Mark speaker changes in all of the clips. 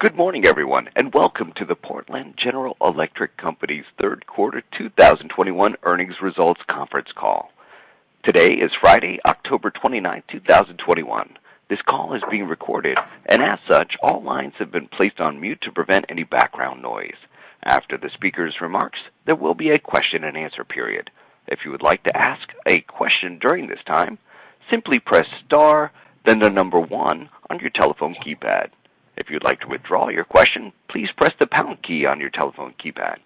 Speaker 1: Good morning, everyone, and Welcome to the Portland General Electric Company's Third Quarter 2021 Earnings Results Conference Call. Today is Friday, October 29, 2021. This call is being recorded, and as such, all lines have been placed on mute to prevent any background noise. After the speaker's remarks, there will be a question-and-answer period. If you would like to ask a question during this time, simply press star then the number 1 on your telephone keypad. If you'd like to withdraw your question, please press the pound key on your telephone keypad.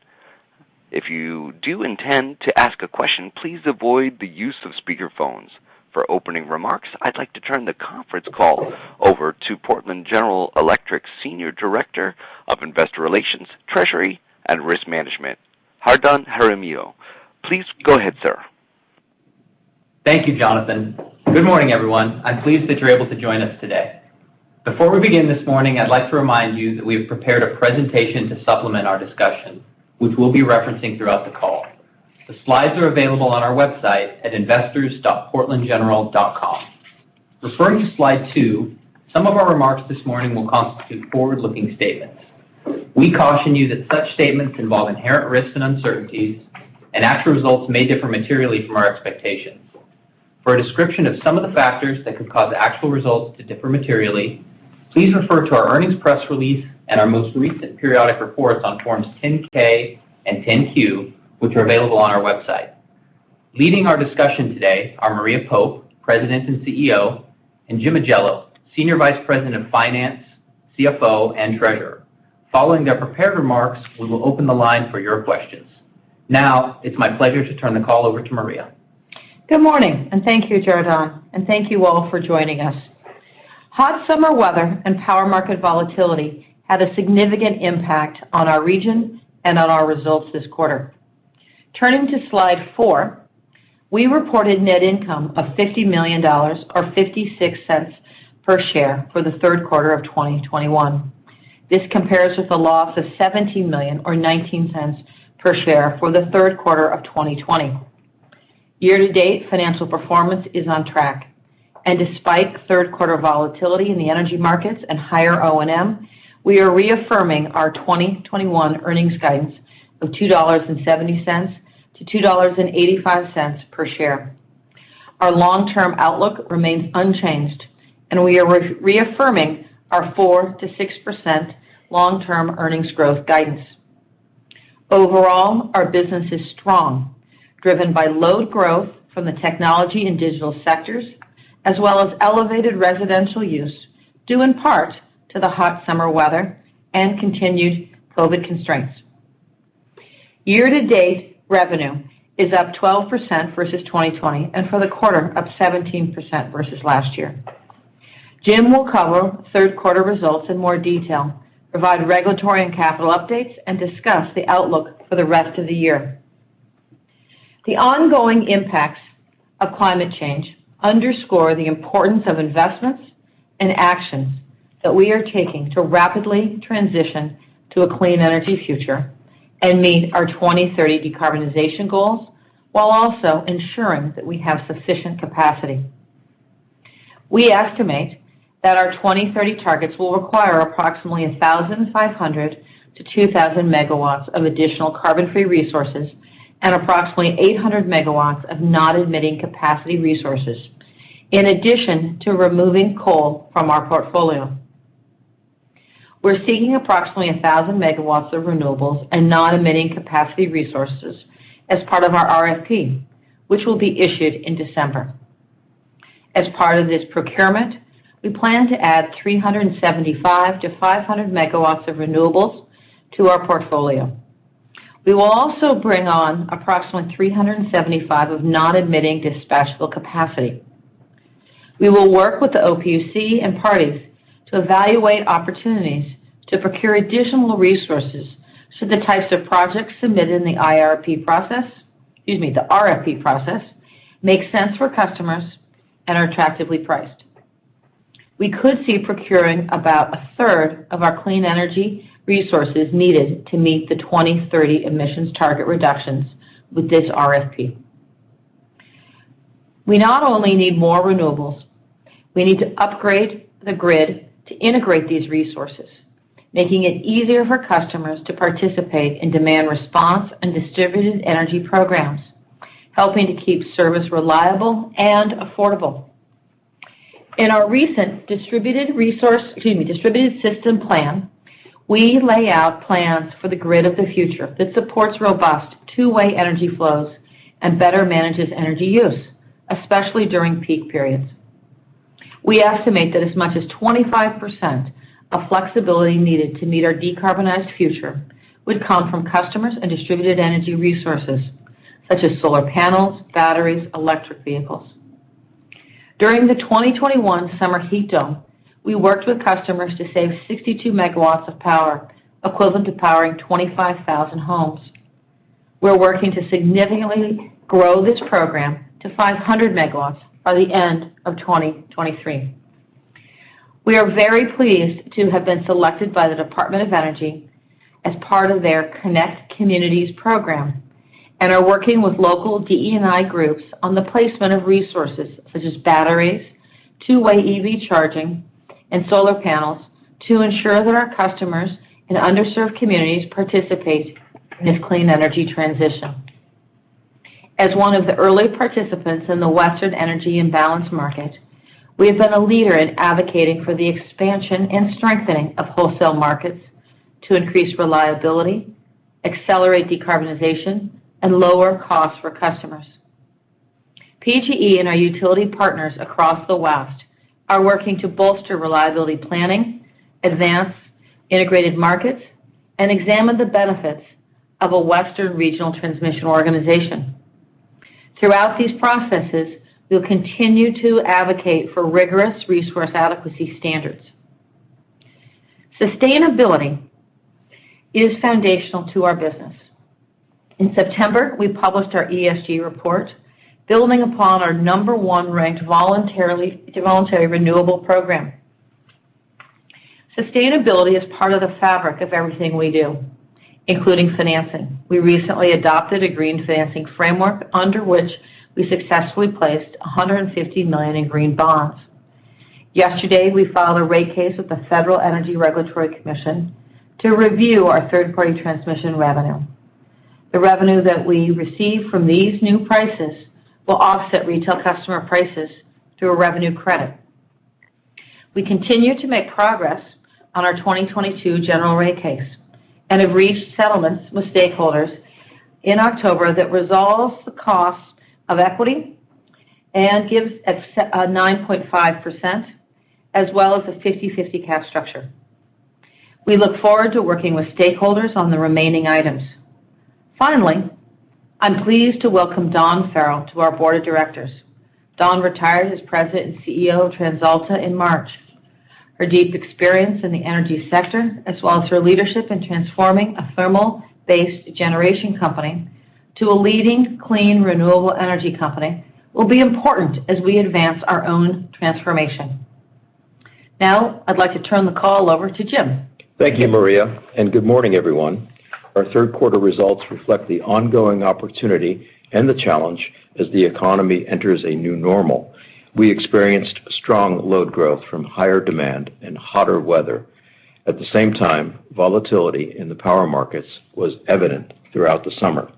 Speaker 1: If you do intend to ask a question, please avoid the use of speakerphones. For opening remarks, I'd like to turn the conference call over to Portland General Electric's Senior Director of Investor Relations, Treasury, and Risk Management, Jardon Jaramillo. Please go ahead, sir.
Speaker 2: Thank you, Jonathan. Good morning, everyone. I'm pleased that you're able to join us today. Before we begin this morning, I'd like to remind you that we have prepared a presentation to supplement our discussion, which we'll be referencing throughout the call. The slides are available on our website at investors.portlandgeneral.com. Referring to slide two, some of our remarks this morning will constitute forward-looking statements. We caution you that such statements involve inherent risks and uncertainties, and actual results may differ materially from our expectations. For a description of some of the factors that could cause actual results to differ materially, please refer to our earnings press release and our most recent periodic reports on forms 10-K and 10-Q, which are available on our website. Leading our discussion today are Maria Pope, President and CEO, and Jim Ajello, Senior Vice President of Finance, CFO, and Treasurer. Following their prepared remarks, we will open the line for your questions. Now, it's my pleasure to turn the call over to Maria.
Speaker 3: Good morning, and thank you, Jardon. Thank you all for joining us. Hot summer weather and power market volatility had a significant impact on our region and on our results this quarter. Turning to slide four, we reported net income of $50 million or $0.56 per share for the third quarter of 2021. This compares with a loss of $17 million or $0.19 per share for the third quarter of 2020. Year-to-date financial performance is on track. Despite third-quarter volatility in the energy markets and higher O&M, we are reaffirming our 2021 earnings guidance of $2.70-$2.85 per share. Our long-term outlook remains unchanged, and we are reaffirming our 4%-6% long-term earnings growth guidance. Overall, our business is strong, driven by Load Growth from the technology and digital sectors, as well as elevated residential use, due in part to the hot summer weather and continued COVID constraints. Year-to-date revenue is up 12% versus 2020, and for the quarter, up 17% versus last year. Jim will cover third-quarter results in more detail, provide regulatory and capital updates, and discuss the outlook for the rest of the year. The ongoing impacts of climate change underscore the importance of investments and actions that we are taking to rapidly transition to a clean energy future and meet our 2030 decarbonization goals while also ensuring that we have sufficient capacity. We estimate that our 2030 targets will require approximately 1,500-2,000 MW of additional carbon-free resources and approximately 800 MW of non-emitting capacity resources in addition to removing coal from our portfolio. We're seeking approximately 1,000 MW of renewables and non-emitting capacity resources as part of our RFP, which will be issued in December. As part of this procurement, we plan to add 375-500 MW of renewables to our portfolio. We will also bring on approximately 375 of non-emitting dispatchable capacity. We will work with the OPUC and parties to evaluate opportunities to procure additional resources so the types of projects submitted in the IRP process, excuse me, the RFP process, make sense for customers and are attractively priced. We could see procuring about 1/3 of our clean energy resources needed to meet the 2030 emissions target reductions with this RFP. We not only need more renewables, we need to upgrade the grid to integrate these resources, making it easier for customers to participate in demand response and distributed energy programs, helping to keep service reliable and affordable. In our recent distributed system plan, we lay out plans for the grid of the future that supports robust two-way energy flows and better manages energy use, especially during peak periods. We estimate that as much as 25% of flexibility needed to meet our decarbonized future would come from customers and distributed energy resources such as solar panels, batteries, electric vehicles. During the 2021 summer heat dome, we worked with customers to save 62 MW of power, equivalent to powering 25,000 homes. We're working to significantly grow this program to 500 MW by the end of 2023. We are very pleased to have been selected by the Department of Energy as part of their Connect Communities program. We are working with local DE&I groups on the placement of resources such as batteries, two-way EV charging, and solar panels to ensure that our customers in underserved communities participate in this clean energy transition. As one of the early participants in the Western Energy Imbalance Market, we have been a leader in advocating for the expansion and strengthening of wholesale markets to increase reliability, accelerate decarbonization, and lower costs for customers. PGE and our utility partners across the West are working to bolster reliability planning, advance integrated markets, and examine the benefits of a Western regional transmission organization. Throughout these processes, we'll continue to advocate for rigorous resource adequacy standards. Sustainability is foundational to our business. In September, we published our ESG report, building upon our number one-ranked voluntary renewable program. Sustainability is part of the fabric of everything we do, including financing. We recently adopted a green financing framework under which we successfully placed $150 million in green bonds. Yesterday, we filed a rate case with the Federal Energy Regulatory Commission to review our third-party transmission revenue. The revenue that we receive from these new prices will offset retail customer prices through a revenue credit. We continue to make progress on our 2022 General Rate Case and have reached settlements with stakeholders in October that resolves the cost of equity and gives 9.5% as well as a 50/50 cap structure. We look forward to working with stakeholders on the remaining items. Finally, I'm pleased to welcome Dawn Farrell to our board of directors. Dawn retired as President and CEO of TransAlta in March. Her deep experience in the energy sector, as well as her leadership in transforming a thermal-based generation company to a leading clean, renewable energy company, will be important as we advance our own transformation. Now, I'd like to turn the call over to Jim.
Speaker 4: Thank you, Maria and good morning, everyone. Our third quarter results reflect the ongoing opportunity and the challenge as the economy enters a new normal. We experienced strong load growth from higher demand and hotter weather. At the same time, volatility in the power markets was evident throughout the summer.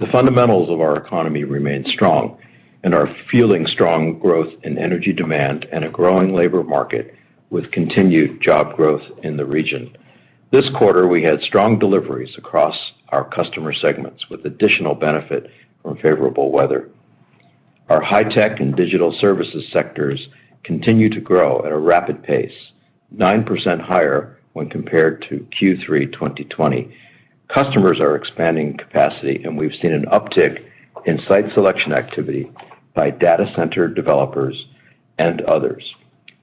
Speaker 4: The fundamentals of our economy remain strong and are fueling strong growth in energy demand and a growing labor market with continued job growth in the region. This quarter, we had strong deliveries across our customer segments with additional benefit from favorable weather. Our high-tech and digital services sectors continue to grow at a rapid pace, 9% higher when compared to Q3 2020. Customers are expanding capacity, and we've seen an uptick in site selection activity by data center developers and others.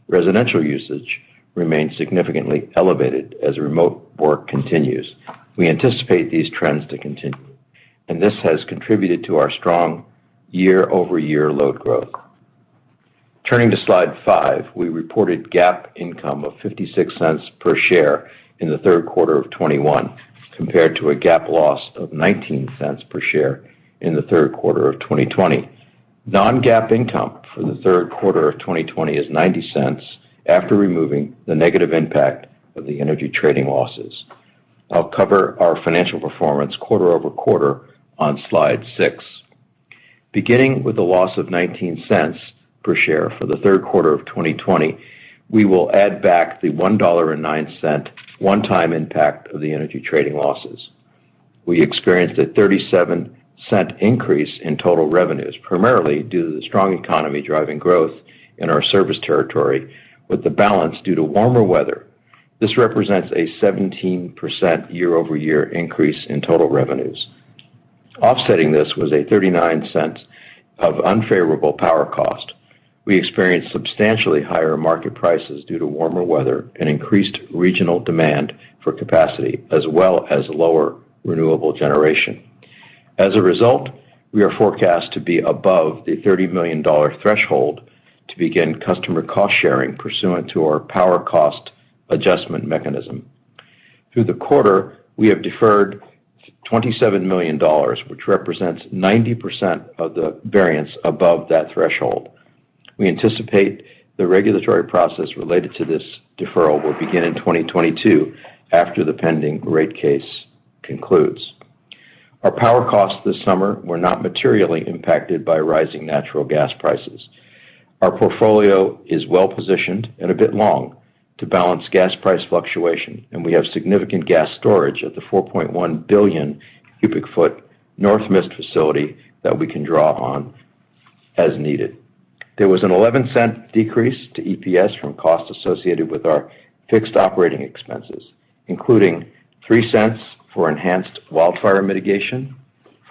Speaker 4: Residential usage remains significantly elevated as remote work continues. We anticipate these trends to continue, and this has contributed to our strong year-over-year load growth. Turning to slide five, we reported GAAP income of $0.56 per share in the third quarter of 2021, compared to a GAAP loss of $0.19 per share in the third quarter of 2020. Non-GAAP income for the third quarter of 2020 is $0.90 after removing the negative impact of the energy trading losses. I'll cover our financial performance quarter over quarter on slide six. Beginning with the loss of $0.19 per share for the third quarter of 2020, we will add back the $1.09 one-time impact of the energy trading losses. We experienced a $0.37 increase in total revenues, primarily due to the strong economy driving growth in our service territory with the balance due to warmer weather. This represents a 17% year-over-year increase in total revenues. Offsetting this was $0.39 of unfavorable power cost. We experienced substantially higher market prices due to warmer weather and increased regional demand for capacity, as well as lower renewable generation. As a result, we are forecast to be above the $30 million threshold to begin customer cost-sharing pursuant to our power cost adjustment mechanism. Through the quarter, we have deferred $27 million, which represents 90% of the variance above that threshold. We anticipate the regulatory process related to this deferral will begin in 2022 after the pending rate case concludes. Our power costs this summer were not materially impacted by rising natural gas prices. Our portfolio is well-positioned and a bit long to balance gas price fluctuation, and we have significant gas storage at the 4.1 billion cubic feet North Mist facility that we can draw on as needed. There was a $0.11 decrease to EPS from costs associated with our fixed operating expenses, including $0.03 for enhanced wildfire mitigation,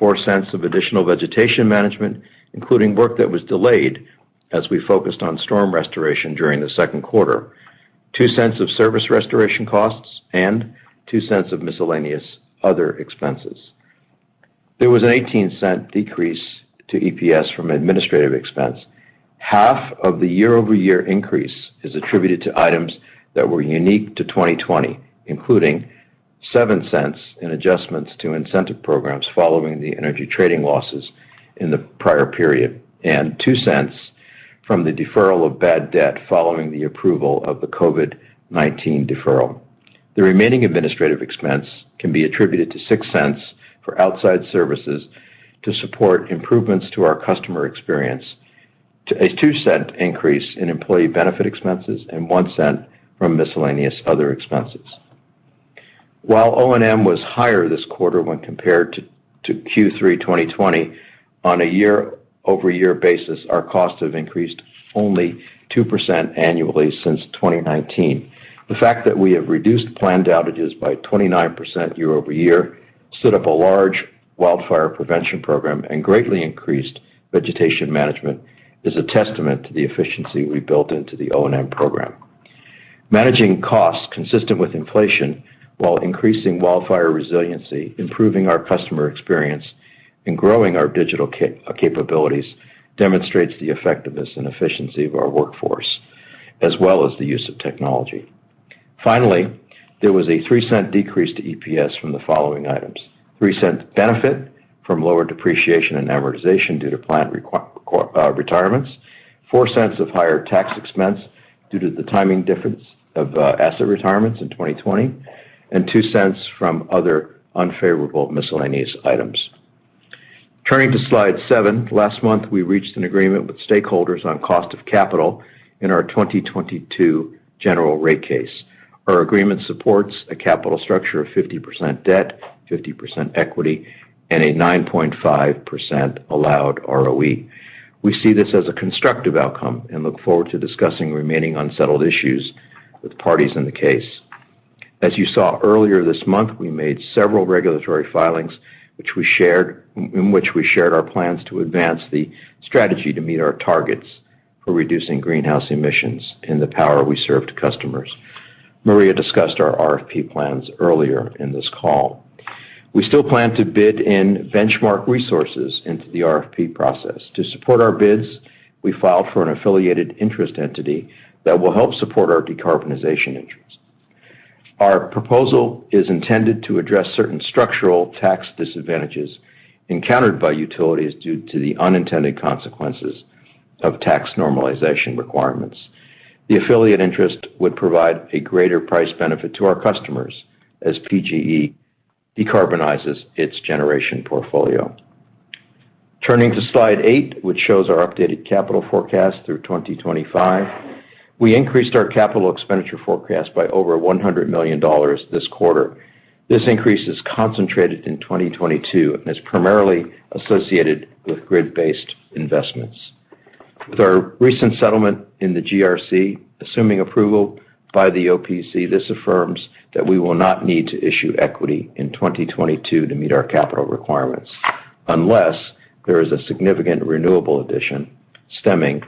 Speaker 4: $0.04 of additional vegetation management, including work that was delayed as we focused on storm restoration during the second quarter, $0.02 of service restoration costs, and $0.02 of miscellaneous other expenses. There was an $0.18 decrease to EPS from administrative expense. Half of the year-over-year increase is attributed to items that were unique to 2020, including $0.07 in adjustments to incentive programs following the energy trading losses in the prior period, and $0.02 from the deferral of bad debt following the approval of the COVID-19 deferral. The remaining administrative expense can be attributed to $0.06 for outside services to support improvements to our customer experience, to a $0.02 increase in employee benefit expenses, and $0.01 from miscellaneous other expenses. While O&M was higher this quarter when compared to Q3 2020, on a year-over-year basis, our costs have increased only 2% annually since 2019. The fact that we have reduced planned outages by 29% year-over-year, stood up a large wildfire prevention program, and greatly increased vegetation management is a testament to the efficiency we built into the O&M program. Managing costs consistent with inflation while increasing wildfire resiliency, improving our customer experience, and growing our digital capabilities demonstrates the effectiveness and efficiency of our workforce, as well as the use of technology. Finally, there was a $0.03 decrease to EPS from the following items: $0.03 benefit from lower depreciation and amortization due to plant retirements, $0.04 of higher tax expense due to the timing difference of asset retirements in 2020, and $0.02 from other unfavorable miscellaneous items. Turning to slide seven. Last month, we reached an agreement with stakeholders on Cost of Capital in our 2022 General Rate Case. Our agreement supports a capital structure of 50% debt, 50% equity, and a 9.5% allowed ROE. We see this as a constructive outcome and look forward to discussing remaining unsettled issues with parties in the case. As you saw earlier this month, we made several regulatory filings, in which we shared our plans to advance the strategy to meet our targets for reducing greenhouse emissions in the power we serve to customers. Maria discussed our RFP plans earlier in this call. We still plan to bid in benchmark resources into the RFP process. To support our bids, we filed for an affiliated interest entity that will help support our decarbonization interests. Our proposal is intended to address certain structural tax disadvantages encountered by utilities due to the unintended consequences of tax normalization requirements. The affiliate interest would provide a greater price benefit to our customers as PGE decarbonizes its generation portfolio. Turning to slide eight, which shows our updated capital forecast through 2025. We increased our capital expenditure forecast by over $100 million this quarter. This increase is concentrated in 2022 and is primarily associated with grid-based investments. With our recent settlement in the GRC, assuming approval by the OPUC, this affirms that we will not need to issue equity in 2022 to meet our capital requirements, unless there is a significant renewable addition stemming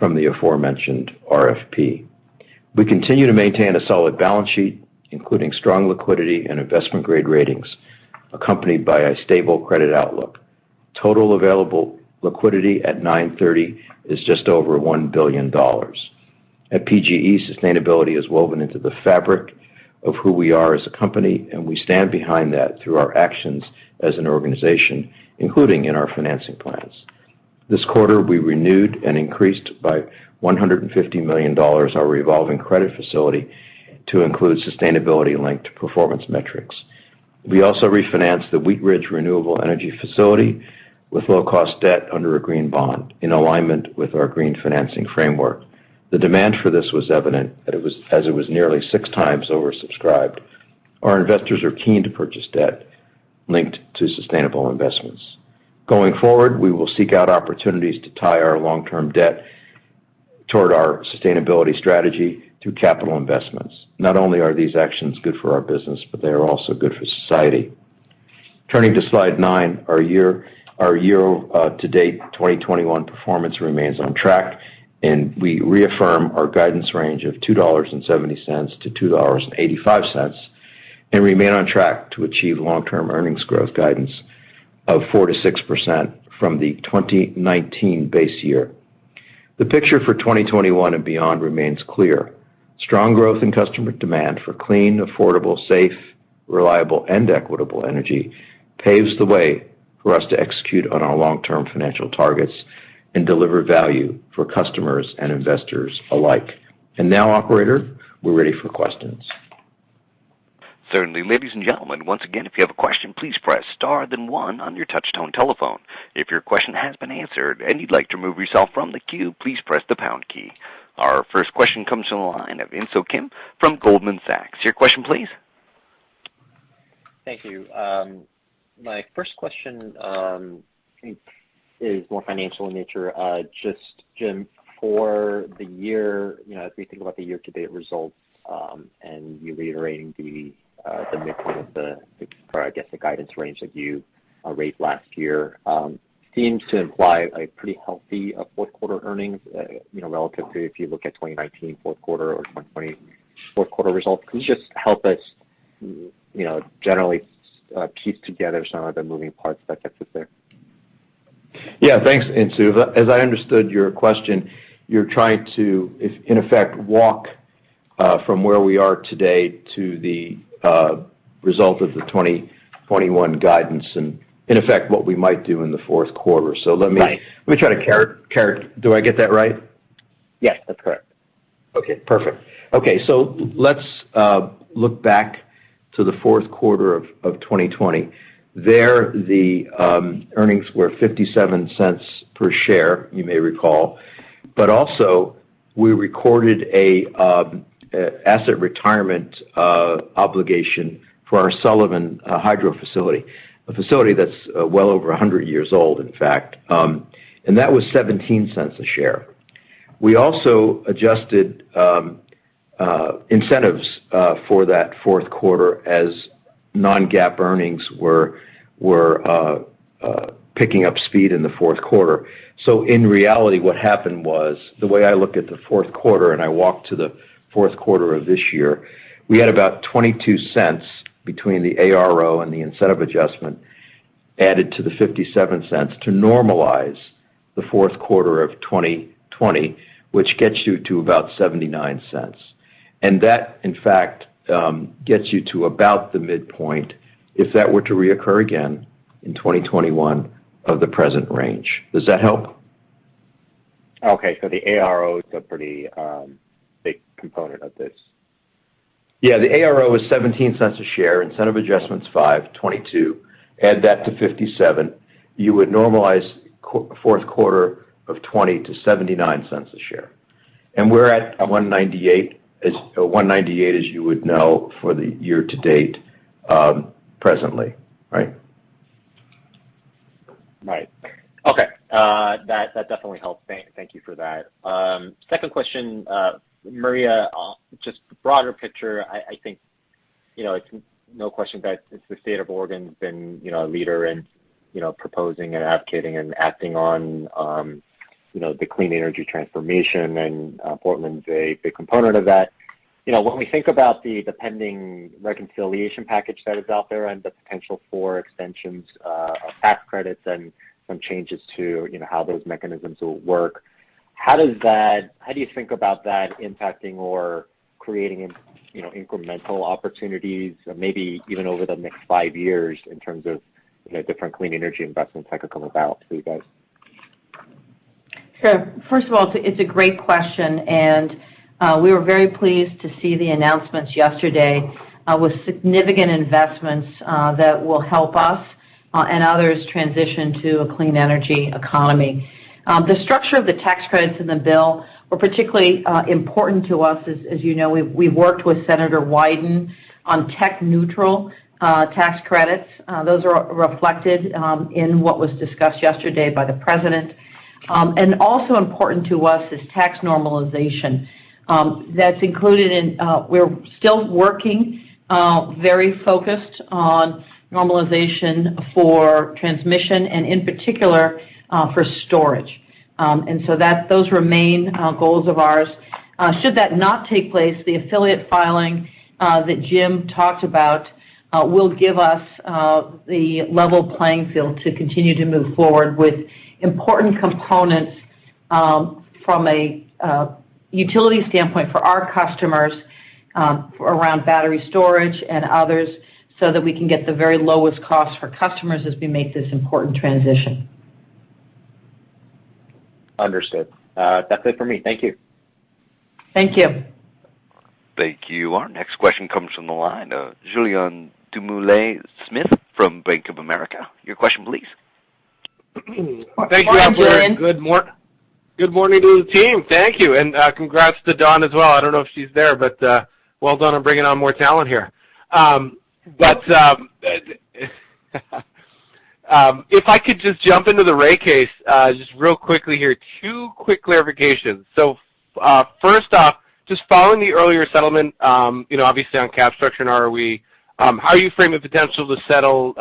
Speaker 4: from the aforementioned RFP. We continue to maintain a solid balance sheet, including strong liquidity and investment-grade ratings, accompanied by a stable credit outlook. Total available liquidity at $930 million is just over $1 billion. At PGE, sustainability is woven into the fabric of who we are as a company, and we stand behind that through our actions as an organization, including in our financing plans. This quarter, we renewed and increased by $150 million our revolving credit facility to include sustainability linked performance metrics. We also refinanced the Wheatridge Renewable Energy Facility with low-cost debt under a green bond in alignment with our green financing framework. The demand for this was evident as it was nearly six times oversubscribed. Our investors are keen to purchase debt linked to sustainable investments. Going forward, we will seek out opportunities to tie our long-term debt toward our sustainability strategy through capital investments. Not only are these actions good for our business, but they are also good for society. Turning to slide nine. Our year to date, 2021 performance remains on track, and we reaffirm our guidance range of $2.70-$2.85 and remain on track to achieve long-term earnings growth guidance of 4%-6% from the 2019 base year. The picture for 2021 and beyond remains clear. Strong growth in customer demand for clean, affordable, safe, reliable, and equitable energy paves the way for us to execute on our long-term financial targets and deliver value for customers and investors alike. Now, operator, we're ready for questions.
Speaker 1: Certainly. Ladies and gentlemen, once again, if you have a question, please press star then one on your touchtone telephone. If your question has been answered and you'd like to remove yourself from the queue, please press the pound key. Our first question comes from the line of Insoo Kim from Goldman Sachs. Your question please.
Speaker 5: Thank you. My first question, I think is more financial in nature. Just, Jim, for the year, you know, as we think about the year-to-date results, and you reiterating the midpoint of the, or I guess the guidance range that you raised last year, seems to imply a pretty healthy fourth quarter earnings, you know, relative to if you look at 2019 fourth quarter or 2020 fourth quarter results. Can you just help us? You know, generally, piece together some of the moving parts that gets us there.
Speaker 4: Yeah. Thanks, Insoo. As I understood your question, you're trying to, if in effect, walk from where we are today to the result of the 2021 guidance and in effect what we might do in the fourth quarter. Let me-
Speaker 5: Right.
Speaker 4: Do I get that right?
Speaker 5: Yes, that's correct.
Speaker 4: Okay. Perfect. Okay. Let's look back to the fourth quarter of 2020. There, the earnings were $0.57 per share, you may recall. Also, we recorded an asset retirement obligation for our Sullivan hydro facility, a facility that's well over 100 years old, in fact. That was $0.17 per share. We also adjusted incentives for that fourth quarter as non-GAAP earnings were picking up speed in the fourth quarter. In reality, what happened was, the way I look at the fourth quarter and I look to the fourth quarter of this year, we had about $0.22 between the ARO and the incentive adjustment added to the $0.57 to normalize the fourth quarter of 2020, which gets you to about $0.79. That in fact gets you to about the midpoint if that were to reoccur again in 2021 of the present range. Does that help?
Speaker 5: Okay. The ARO is a pretty big component of this.
Speaker 4: Yeah. The ARO is $0.17 a share, incentive adjustments $0.05, $0.22. Add that to $0.57, you would normalize fourth quarter of 2020 to $0.79 a share. We're at $1.98 as you would know for the year to date, presently, right?
Speaker 5: Right. Okay. That definitely helps. Thank you for that. Second question, Maria, just broader picture, I think, you know, it's no question that it's the State of Oregon has been, you know, a leader in, you know, proposing and advocating and acting on, you know, the clean energy transformation, and Portland's a big component of that. You know, when we think about the pending reconciliation package that is out there and the potential for extensions of tax credits and some changes to, you know, how those mechanisms will work, how do you think about that impacting or creating, you know, incremental opportunities maybe even over the next five years in terms of, you know, different clean energy investments that could come about for you guys?
Speaker 3: Sure. First of all, it's a great question, and we were very pleased to see the announcements yesterday with significant investments that will help us and others transition to a clean energy economy. The structure of the tax credits in the bill were particularly important to us. As you know, we've worked with Senator Wyden on tech neutral tax credits. Those are reflected in what was discussed yesterday by the president. And also important to us is tax normalization, that's included in. We're still working very focused on normalization for transmission and in particular for storage. Those remain goals of ours. Should that not take place, the affiliate filing that Jim talked about will give us the level playing field to continue to move forward with important components from a utility standpoint for our customers around battery storage and others, so that we can get the very lowest cost for customers as we make this important transition.
Speaker 5: Understood. That's it for me. Thank you.
Speaker 3: Thank you.
Speaker 1: Thank you. Our next question comes from the line of Julien Dumoulin-Smith from Bank of America. Your question, please.
Speaker 3: Good morning Julien.
Speaker 6: Thank you, Good morning to the team. Thank you. Congrats to Dawn as well. I don't know if she's there, but well done on bringing on more talent here. If I could just jump into the rate case just real quickly here. Two quick clarifications. First off, just following the earlier settlement, you know, obviously on cap structure and ROE, how are you framing potential to settle,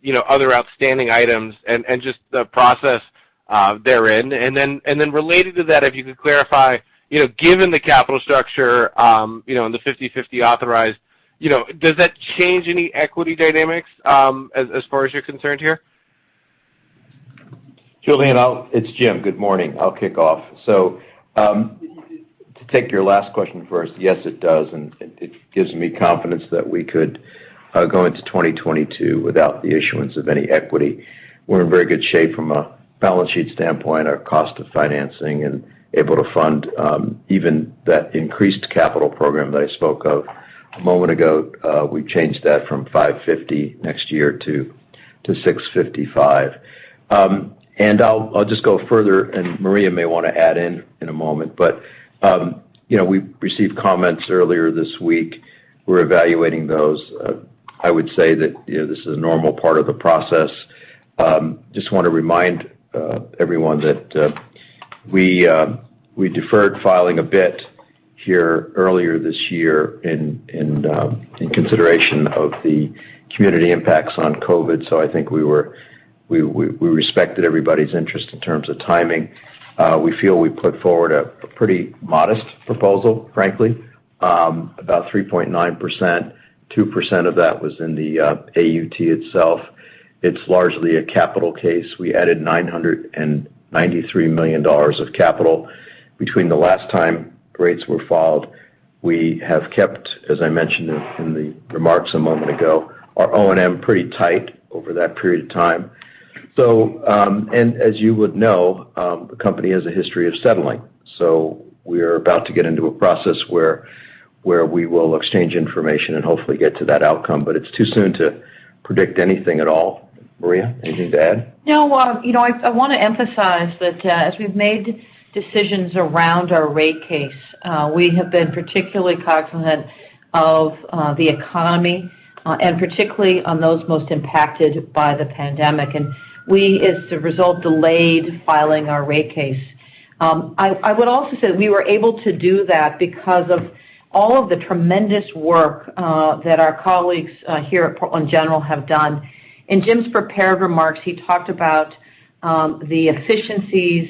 Speaker 6: you know, other outstanding items and just the process therein? Related to that, if you could clarify, you know, given the capital structure, you know, and the 50-50 authorized, you know, does that change any equity dynamics as far as you're concerned here?
Speaker 4: Julien, it's Jim. Good morning. I'll kick off. To take your last question first, yes, it does, and it gives me confidence that we could go into 2022 without the issuance of any equity. We're in very good shape from a balance sheet standpoint, our cost of financing and able to fund even that increased capital program that I spoke of a moment ago. We've changed that from $550 next year to $655. And I'll just go further, and Maria may want to add in a moment. You know, we've received comments earlier this week. We're evaluating those. I would say that you know, this is a normal part of the process. Just wanna remind everyone that we deferred filing a bit here earlier this year in consideration of the community impacts on COVID. I think we respected everybody's interest in terms of timing. We feel we put forward a pretty modest proposal, frankly, about 3.9%. 2% of that was in the AUT itself. It's largely a capital case. We added $993 million of capital between the last time rates were filed. We have kept, as I mentioned in the remarks a moment ago, our O&M pretty tight over that period of time. As you would know, the company has a history of settling. We're about to get into a process where we will exchange information and hopefully get to that outcome. It's too soon to predict anything at all. Maria, anything to add?
Speaker 3: No. Well, you know, I wanna emphasize that, as we've made decisions around our rate case, we have been particularly cognizant of the economy, and particularly on those most impacted by the pandemic. We, as a result, delayed filing our rate case. I would also say we were able to do that because of all of the tremendous work that our colleagues here at Portland General have done. In Jim's prepared remarks, he talked about the efficiencies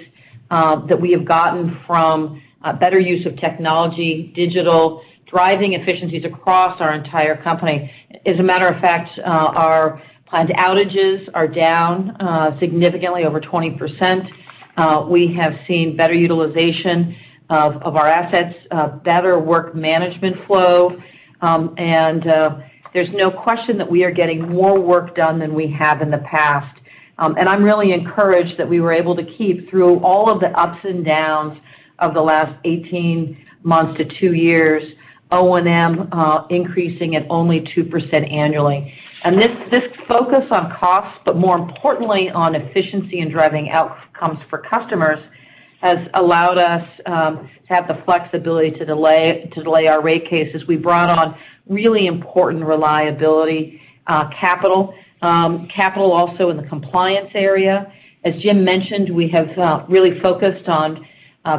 Speaker 3: that we have gotten from better use of technology, digital, driving efficiencies across our entire company. As a matter of fact, our planned outages are down significantly over 20%. We have seen better utilization of our assets, better work management flow, and there's no question that we are getting more work done than we have in the past. I'm really encouraged that we were able to keep through all of the ups and downs of the last 18 months to two years, O&M increasing at only 2% annually. This focus on cost, but more importantly on efficiency and driving outcomes for customers, has allowed us to have the flexibility to delay our rate cases. We brought on really important reliability capital also in the compliance area. As Jim mentioned, we have really focused on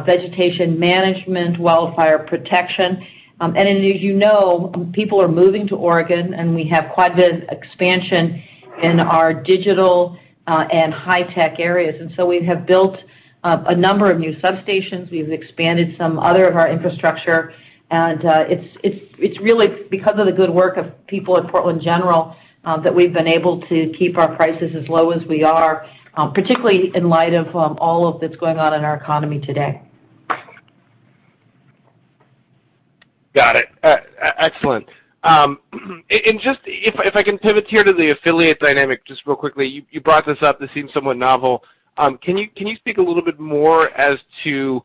Speaker 3: vegetation management, wildfire protection. As you know, people are moving to Oregon, and we have quite a bit of expansion in our digital, and high-tech areas. We have built a number of new substations. We've expanded some other of our infrastructure, and it's really because of the good work of people at Portland General that we've been able to keep our prices as low as we are, particularly in light of all of that's going on in our economy today.
Speaker 6: Got it. Excellent. Just if I can pivot here to the affiliate dynamic just real quickly. You brought this up. This seems somewhat novel. Can you speak a little bit more as to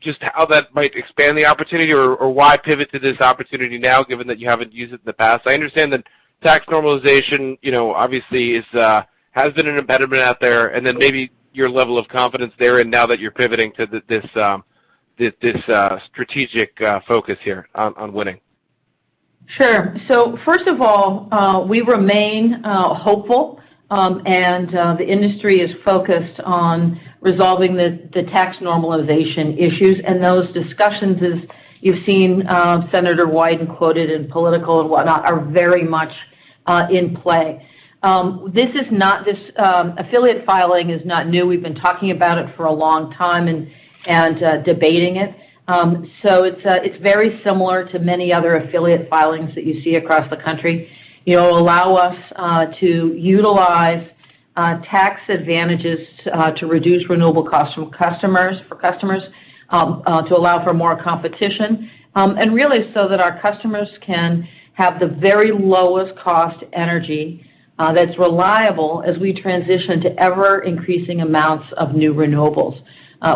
Speaker 6: just how that might expand the opportunity or why pivot to this opportunity now given that you haven't used it in the past? I understand that tax normalization, you know, obviously has been an impediment out there, and then maybe your level of confidence there and now that you're pivoting to this strategic focus here on winning.
Speaker 3: Sure. First of all, we remain hopeful, and the industry is focused on resolving the tax normalization issues. Those discussions, as you've seen, Senator Wyden quoted in Politico and whatnot, are very much in play. This affiliate filing is not new. We've been talking about it for a long time and debating it. It's very similar to many other affiliate filings that you see across the country. It'll allow us to utilize tax advantages to reduce renewable costs from customers, for customers, to allow for more competition. Really so that our customers can have the very lowest cost energy that's reliable as we transition to ever-increasing amounts of new renewables.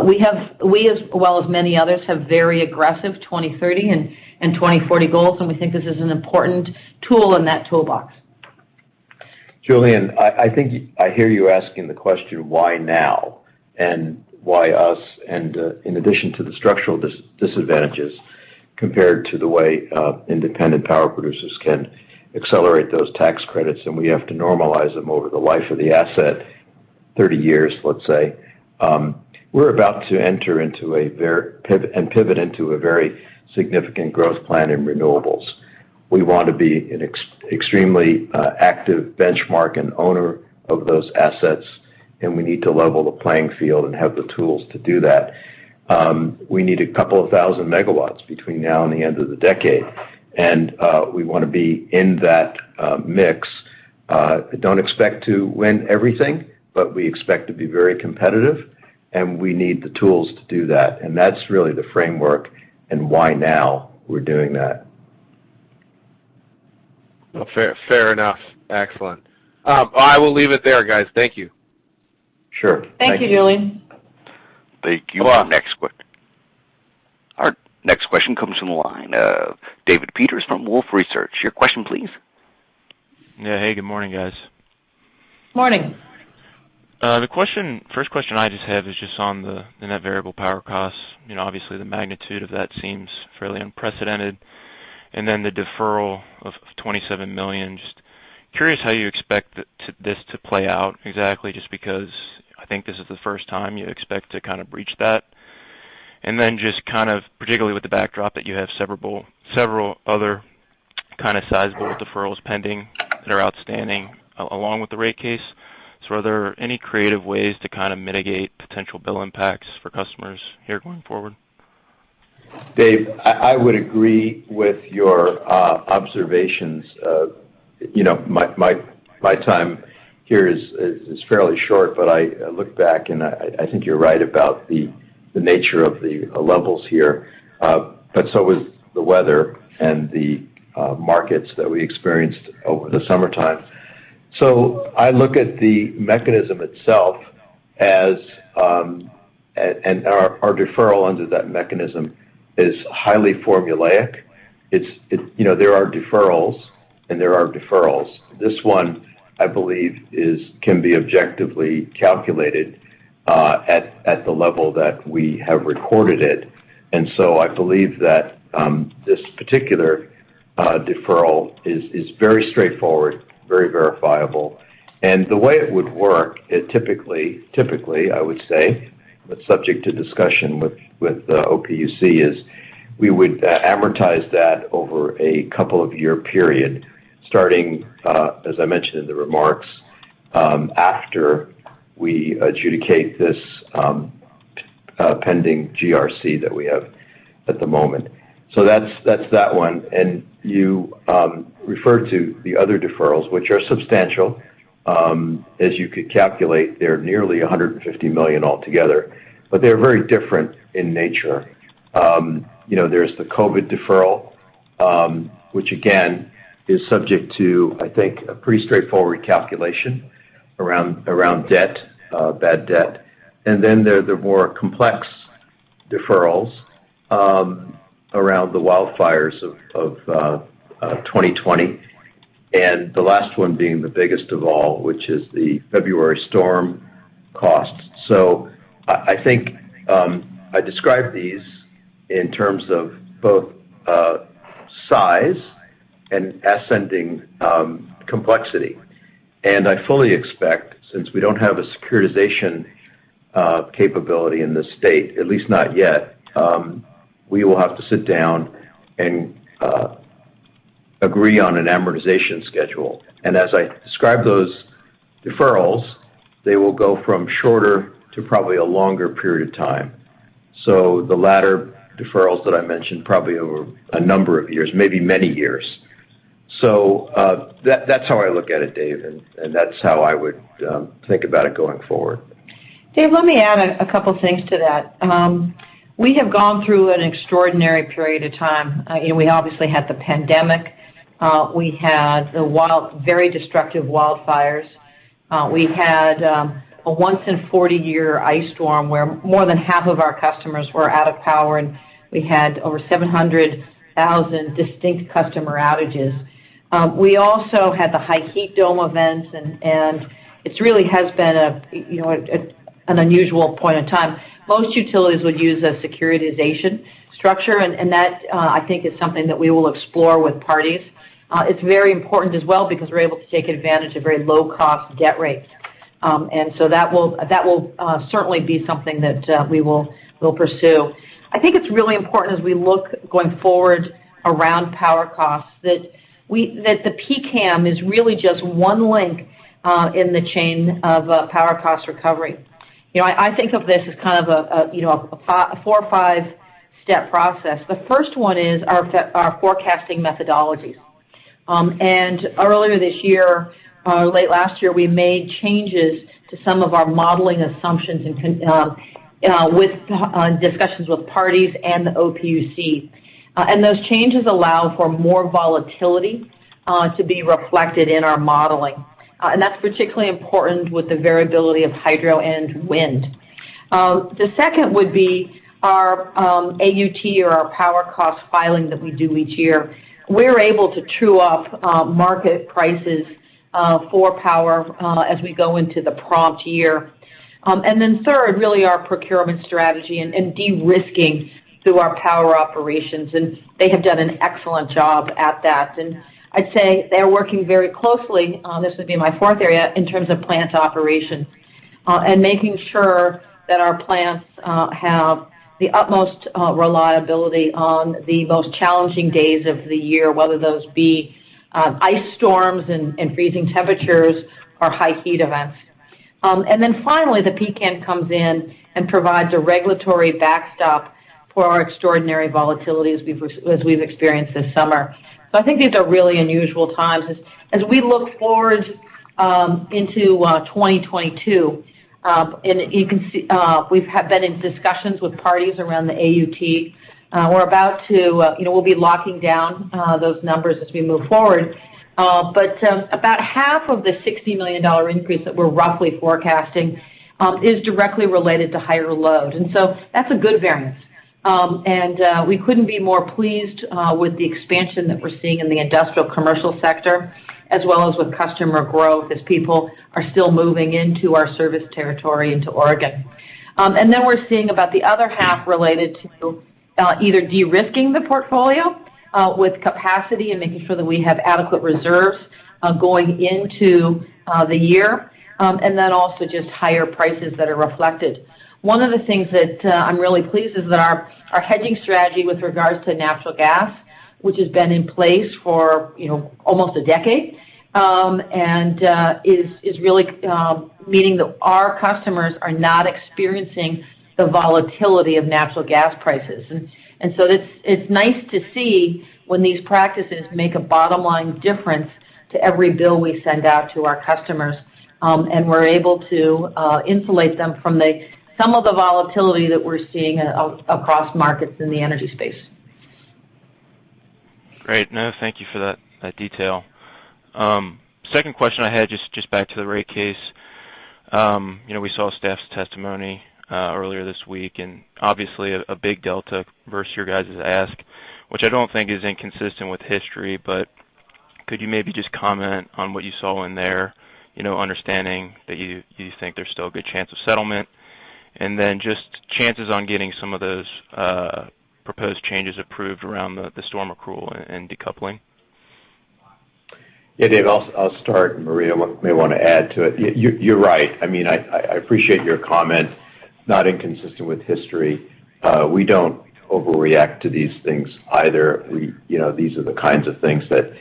Speaker 3: We, as well as many others, have very aggressive 2030 and 2040 goals, and we think this is an important tool in that toolbox.
Speaker 4: Julien, I think I hear you asking the question, why now and why us? In addition to the structural disadvantages compared to the way independent power producers can accelerate those tax credits, and we have to normalize them over the life of the asset, 30 years, let's say. We're about to pivot into a very significant growth plan in renewables. We want to be an extremely active benchmark and owner of those assets, and we need to level the playing field and have the tools to do that. We need couple of thousand megawatts between now and the end of the decade, and we wanna be in that mix. Don't expect to win everything, but we expect to be very competitive, and we need the tools to do that. That's really the framework and why now we're doing that.
Speaker 6: Fair, fair enough. Excellent. I will leave it there, guys. Thank you.
Speaker 4: Sure. Thank you.
Speaker 3: Thank you, Julien.
Speaker 1: Thank you. Our next question comes from the line of David Peters from Wolfe Research. Your question please.
Speaker 7: Yeah. Hey, good morning, guys.
Speaker 3: Morning.
Speaker 7: The question, first question I just have is just on the Net Variable Power Costs. You know, obviously, the magnitude of that seems fairly unprecedented, and then the deferral of $27 million. Just curious how you expect this to play out exactly, just because I think this is the first time you expect to kind of breach that. Then just kind of particularly with the backdrop that you have several other kind of sizable deferrals pending that are outstanding along with the rate case. Are there any creative ways to kind of mitigate potential bill impacts for customers here going forward?
Speaker 4: David, I would agree with your observations. You know, my time here is fairly short, but I look back and I think you're right about the nature of the levels here, but so is the weather and the markets that we experienced over the summertime. I look at the mechanism itself and our deferral under that mechanism is highly formulaic. You know, there are deferrals, and there are deferrals. This one, I believe, can be objectively calculated at the level that we have recorded it. I believe that this particular deferral is very straightforward, very verifiable. The way it would work, it typically I would say, but subject to discussion with OPUC, is we would amortize that over a couple of year period, starting as I mentioned in the remarks, after we adjudicate this pending GRC that we have at the moment. That's that one. You referred to the other deferrals, which are substantial. As you could calculate, they're nearly $150 million altogether, but they're very different in nature. You know, there's the COVID deferral, which again is subject to, I think, a pretty straightforward calculation around debt, bad debt. Then there are the more complex deferrals around the wildfires of 2020, and the last one being the biggest of all, which is the February storm cost. I think I describe these in terms of both size and ascending complexity. I fully expect, since we don't have a securitization capability in this state, at least not yet, we will have to sit down and agree on an amortization schedule. As I describe those deferrals, they will go from shorter to probably a longer period of time. That's how I look at it, Dave, and that's how I would think about it going forward.
Speaker 3: Dave, let me add a couple things to that. We have gone through an extraordinary period of time. You know, we obviously had the pandemic. We had very destructive wildfires. We had a once-in-40-year ice storm where more than half of our customers were out of power, and we had over 700,000 distinct customer outages. We also had the high heat dome events, and it really has been, you know, an unusual point in time. Most utilities would use a securitization structure, and that I think is something that we will explore with parties. It's very important as well because we're able to take advantage of very low-cost debt rates. That will certainly be something that we'll pursue. I think it's really important as we look going forward around power costs that the PCAM is really just one link in the chain of power cost recovery. You know, I think of this as kind of a you know, a four or five step process. The first one is our forecasting methodologies. Earlier this year, late last year, we made changes to some of our modeling assumptions and with discussions with parties and the OPUC. Those changes allow for more volatility to be reflected in our modeling. That's particularly important with the variability of hydro and wind. The second would be our AUT or our power cost filing that we do each year. We're able to true up market prices for power as we go into the prompt year. Third, really our procurement strategy and de-risking through our power operations, and they have done an excellent job at that. I'd say they're working very closely, this would be my fourth area, in terms of plant operation and making sure that our plants have the utmost reliability on the most challenging days of the year, whether those be ice storms and freezing temperatures or high heat events. Finally, the PCAM comes in and provides a regulatory backstop for our extraordinary volatility as we've experienced this summer. I think these are really unusual times. As we look forward into 2022, and you can see, we've been in discussions with parties around the AUT. We're about to, we'll be locking down those numbers as we move forward. But about half of the $60 million increase that we're roughly forecasting is directly related to higher load. That's a good variance. We couldn't be more pleased with the expansion that we're seeing in the industrial commercial sector, as well as with customer growth as people are still moving into our service territory into Oregon. We're seeing about the other half related to either de-risking the portfolio with capacity and making sure that we have adequate reserves going into the year, and then also just higher prices that are reflected. One of the things that I'm really pleased is that our hedging strategy with regards to natural gas, which has been in place for you know almost a decade, and is really meaning that our customers are not experiencing the volatility of natural gas prices. And so it's nice to see when these practices make a bottom line difference to every bill we send out to our customers, and we're able to insulate them from some of the volatility that we're seeing across markets in the energy space.
Speaker 7: Great. No, thank you for that detail. Second question I had, just back to the rate case. You know, we saw staff's testimony earlier this week, and obviously a big delta versus your guys' ask, which I don't think is inconsistent with history. Could you maybe just comment on what you saw in there, you know, understanding that you think there's still a good chance of settlement? Just chances on getting some of those proposed changes approved around the storm accrual and decoupling.
Speaker 4: Yeah, Dave, I'll start and Maria may want to add to it. You're right. I mean, I appreciate your comment, not inconsistent with history. We don't overreact to these things either. You know, these are the kinds of things that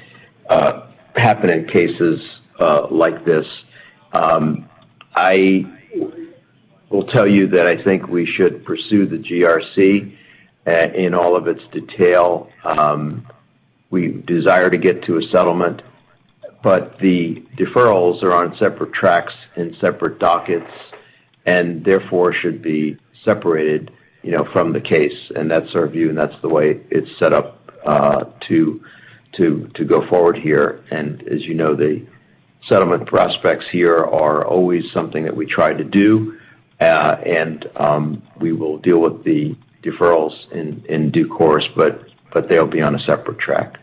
Speaker 4: happen in cases like this. I will tell you that I think we should pursue the GRC in all of its detail. We desire to get to a settlement, but the deferrals are on separate tracks and separate dockets and therefore should be separated, you know, from the case, and that's our view, and that's the way it's set up to go forward here. As you know, the settlement prospects here are always something that we try to do. We will deal with the deferrals in due course, but they'll be on a separate track.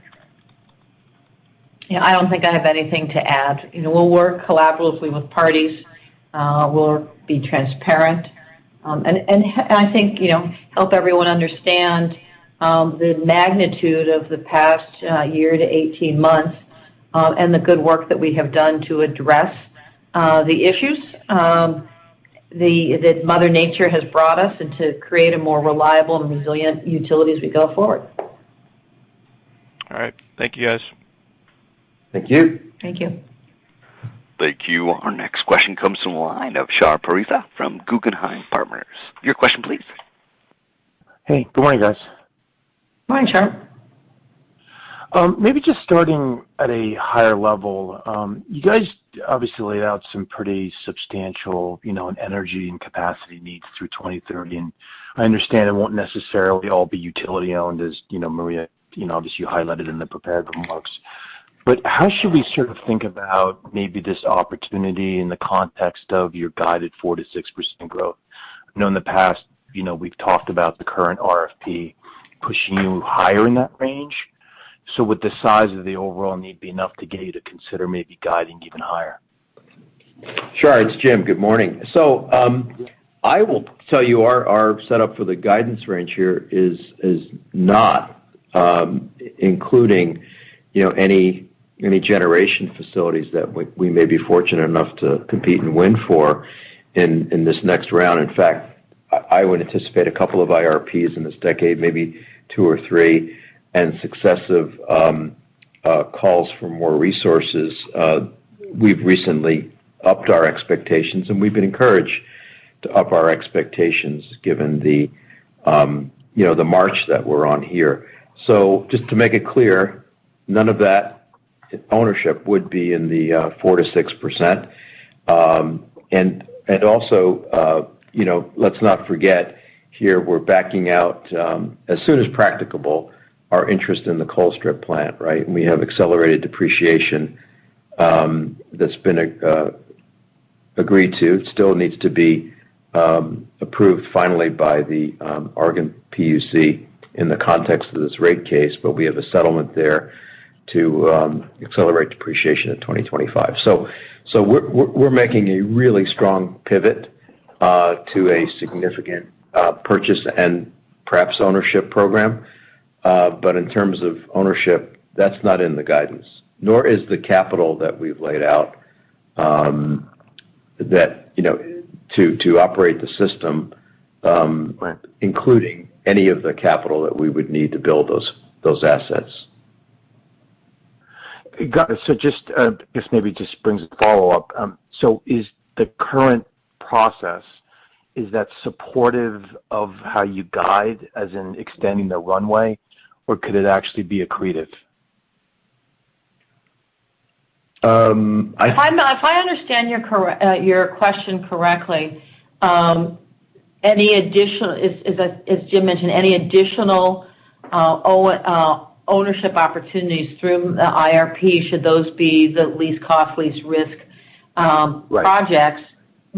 Speaker 3: Yeah, I don't think I have anything to add. You know, we'll work collaboratively with parties. We'll be transparent. I think, you know, help everyone understand the magnitude of the past year to 18 months, and the good work that we have done to address the issues that mother nature has brought us and to create a more reliable and resilient utility as we go forward.
Speaker 7: All right. Thank you, guys.
Speaker 4: Thank you.
Speaker 3: Thank you.
Speaker 1: Thank you. Our next question comes from the line of Shar Pourreza from Guggenheim Securities. Your question, please.
Speaker 8: Hey, good morning, guys.
Speaker 3: Good morning, Shar.
Speaker 8: Maybe just starting at a higher level. You guys obviously laid out some pretty substantial, you know, energy and capacity needs through 2030, and I understand it won't necessarily all be utility-owned, as, you know, Maria, you know, obviously you highlighted in the prepared remarks. How should we sort of think about maybe this opportunity in the context of your guided 4%-6% growth? I know in the past, you know, we've talked about the current RFP pushing you higher in that range. Would the size of the overall need be enough to get you to consider maybe guiding even higher?
Speaker 4: Shar, it's Jim. Good morning. I will tell you our setup for the guidance range here is not including, you know, any generation facilities that we may be fortunate enough to compete and win for in this next round. In fact, I would anticipate a couple of IRPs in this decade, maybe two or three, and successive calls for more resources. We've recently upped our expectations, and we've been encouraged to up our expectations given the, you know, the march that we're on here. Just to make it clear, none of that ownership would be in the 4%-6%. Also, you know, let's not forget here we're backing out as soon as practicable our interest in the Colstrip plant, right? We have accelerated depreciation that's been agreed to. It still needs to be approved finally by the Oregon PUC in the context of this rate case, but we have a settlement there to accelerate depreciation at 2025. We're making a really strong pivot to a significant purchase and perhaps ownership program. But in terms of ownership, that's not in the guidance, nor is the capital that we've laid out, you know, to operate the system, including any of the capital that we would need to build those assets.
Speaker 8: Got it. Just, this maybe just brings a follow-up. Is the current process that supportive of how you guide as in extending the runway, or could it actually be accretive?
Speaker 4: Um, I-
Speaker 3: If I understand your question correctly, any additional, as Jim mentioned ownership opportunities through the IRP, should be the least cost, least risk.
Speaker 8: Right
Speaker 3: Projects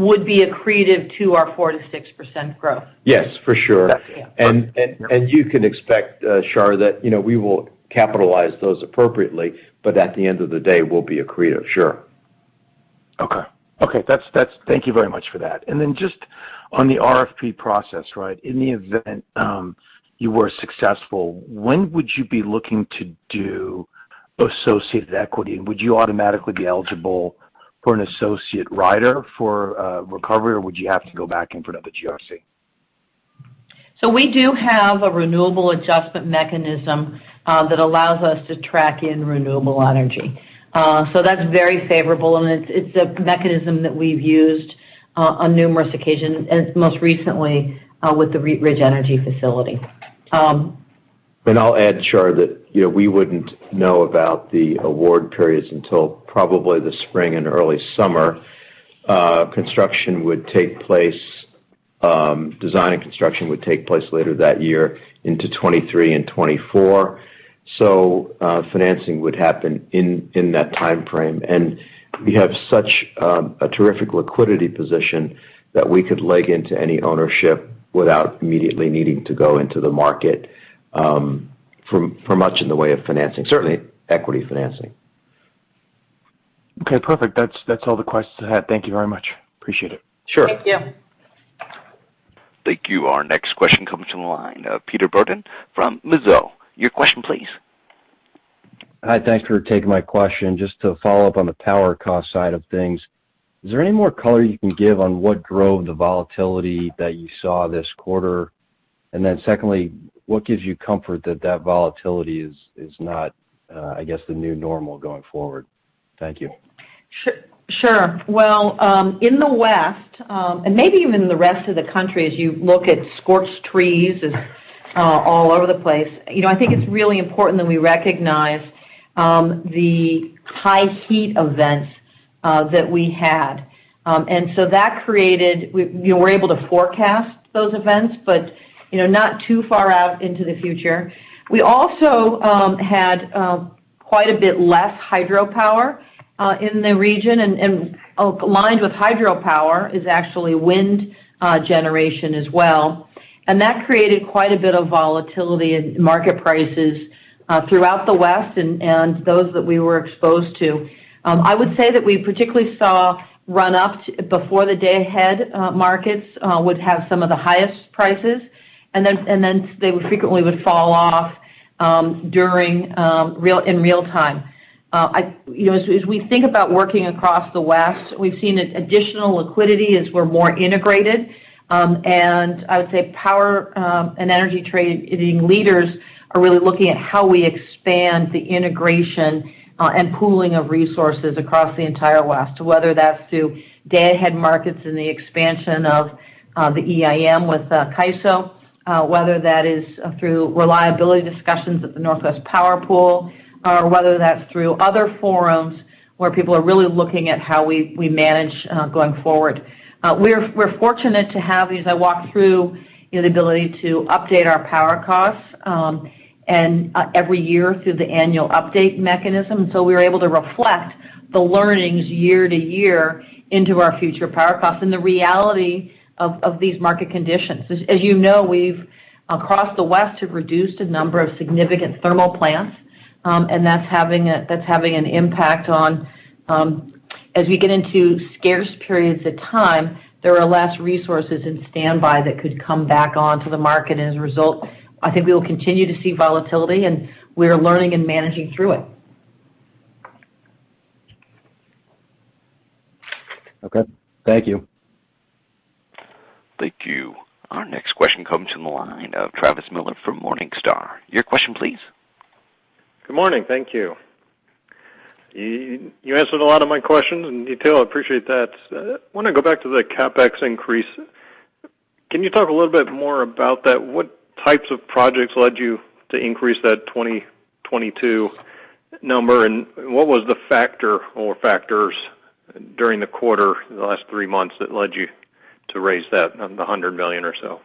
Speaker 3: would be accretive to our 4%-6% growth.
Speaker 4: Yes, for sure.
Speaker 3: Yeah.
Speaker 4: you can expect, Shar, that, you know, we will capitalize those appropriately, but at the end of the day we'll be accretive. Sure.
Speaker 8: Okay. That's thank you very much for that. Just on the RFP process, right? In the event you were successful, when would you be looking to do associated equity? Would you automatically be eligible for an associate rider for recovery, or would you have to go back in for another GRC?
Speaker 3: We do have a renewable adjustment mechanism that allows us to track in renewable energy. That's very favorable, and it's a mechanism that we've used on numerous occasions, and most recently with the Wheatridge Renewable Energy Facility.
Speaker 4: I'll add, Shar that, you know, we wouldn't know about the award periods until probably the spring and early summer. Construction would take place, design and construction would take place later that year into 2023 and 2024. Financing would happen in that timeframe. We have such a terrific liquidity position that we could leg into any ownership without immediately needing to go into the market for much in the way of financing, certainly equity financing.
Speaker 8: Okay, perfect. That's all the questions I had. Thank you very much. Appreciate it.
Speaker 4: Sure.
Speaker 3: Thank you.
Speaker 1: Thank you. Our next question comes from the line of Peter Bourdon from Mizuho. Your question, please.
Speaker 9: Hi, thanks for taking my question. Just to follow up on the power cost side of things, is there any more color you can give on what drove the volatility that you saw this quarter? Secondly, what gives you comfort that that volatility is not, I guess the new normal going forward? Thank you.
Speaker 3: Sure. Well, in the West, and maybe even in the rest of the country as you look at scorched trees all over the place, you know, I think it's really important that we recognize the high heat events that we had that created, we were able to forecast those events, but you know, not too far out into the future. We also had quite a bit less hydropower in the region, and aligned with hydropower is actually wind generation as well. That created quite a bit of volatility in market prices throughout the West and those that we were exposed to. I would say that we particularly saw run ups before the day-ahead markets would have some of the highest prices, and then they would frequently fall off in real time. You know, as we think about working across the West, we've seen an additional liquidity as we're more integrated. I would say power and energy trading leaders are really looking at how we expand the integration and pooling of resources across the entire West, whether that's through day-ahead markets and the expansion of the EIM with CAISO, whether that is through reliability discussions at the Northwest Power Pool, or whether that's through other forums where people are really looking at how we manage going forward. We're fortunate to have, as I walk through, the ability to update our power costs, and every year through the annual update mechanism. We're able to reflect the learnings year to year into our future power costs and the reality of these market conditions. As you know, we've across the West have reduced a number of significant thermal plants, and that's having an impact on, as we get into scarce periods of time, there are less resources in standby that could come back on to the market as a result. I think we will continue to see volatility, and we are learning and managing through it.
Speaker 9: Okay. Thank you.
Speaker 1: Thank you. Our next question comes from the line of Travis Miller from Morningstar. Your question please.
Speaker 10: Good morning. Thank you. You answered a lot of my questions in detail. I appreciate that. I want to go back to the CapEx increase. Can you talk a little bit more about that? What types of projects led you to increase that 2022 number? What was the factor or factors during the quarter in the last three months that led you to raise that, the $100 million or so?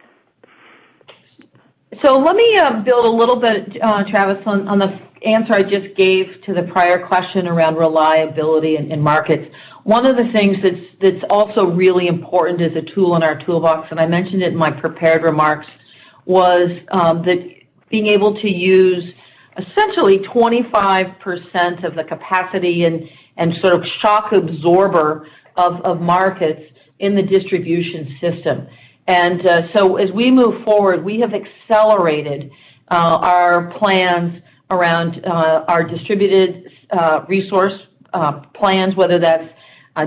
Speaker 3: Let me build a little bit, Travis, on the answer I just gave to the prior question around reliability in markets. One of the things that's also really important as a tool in our toolbox, and I mentioned it in my prepared remarks, was that being able to use essentially 25% of the capacity and sort of shock absorber of markets in the distribution system. As we move forward, we have accelerated our plans around our distributed resource plans, whether that's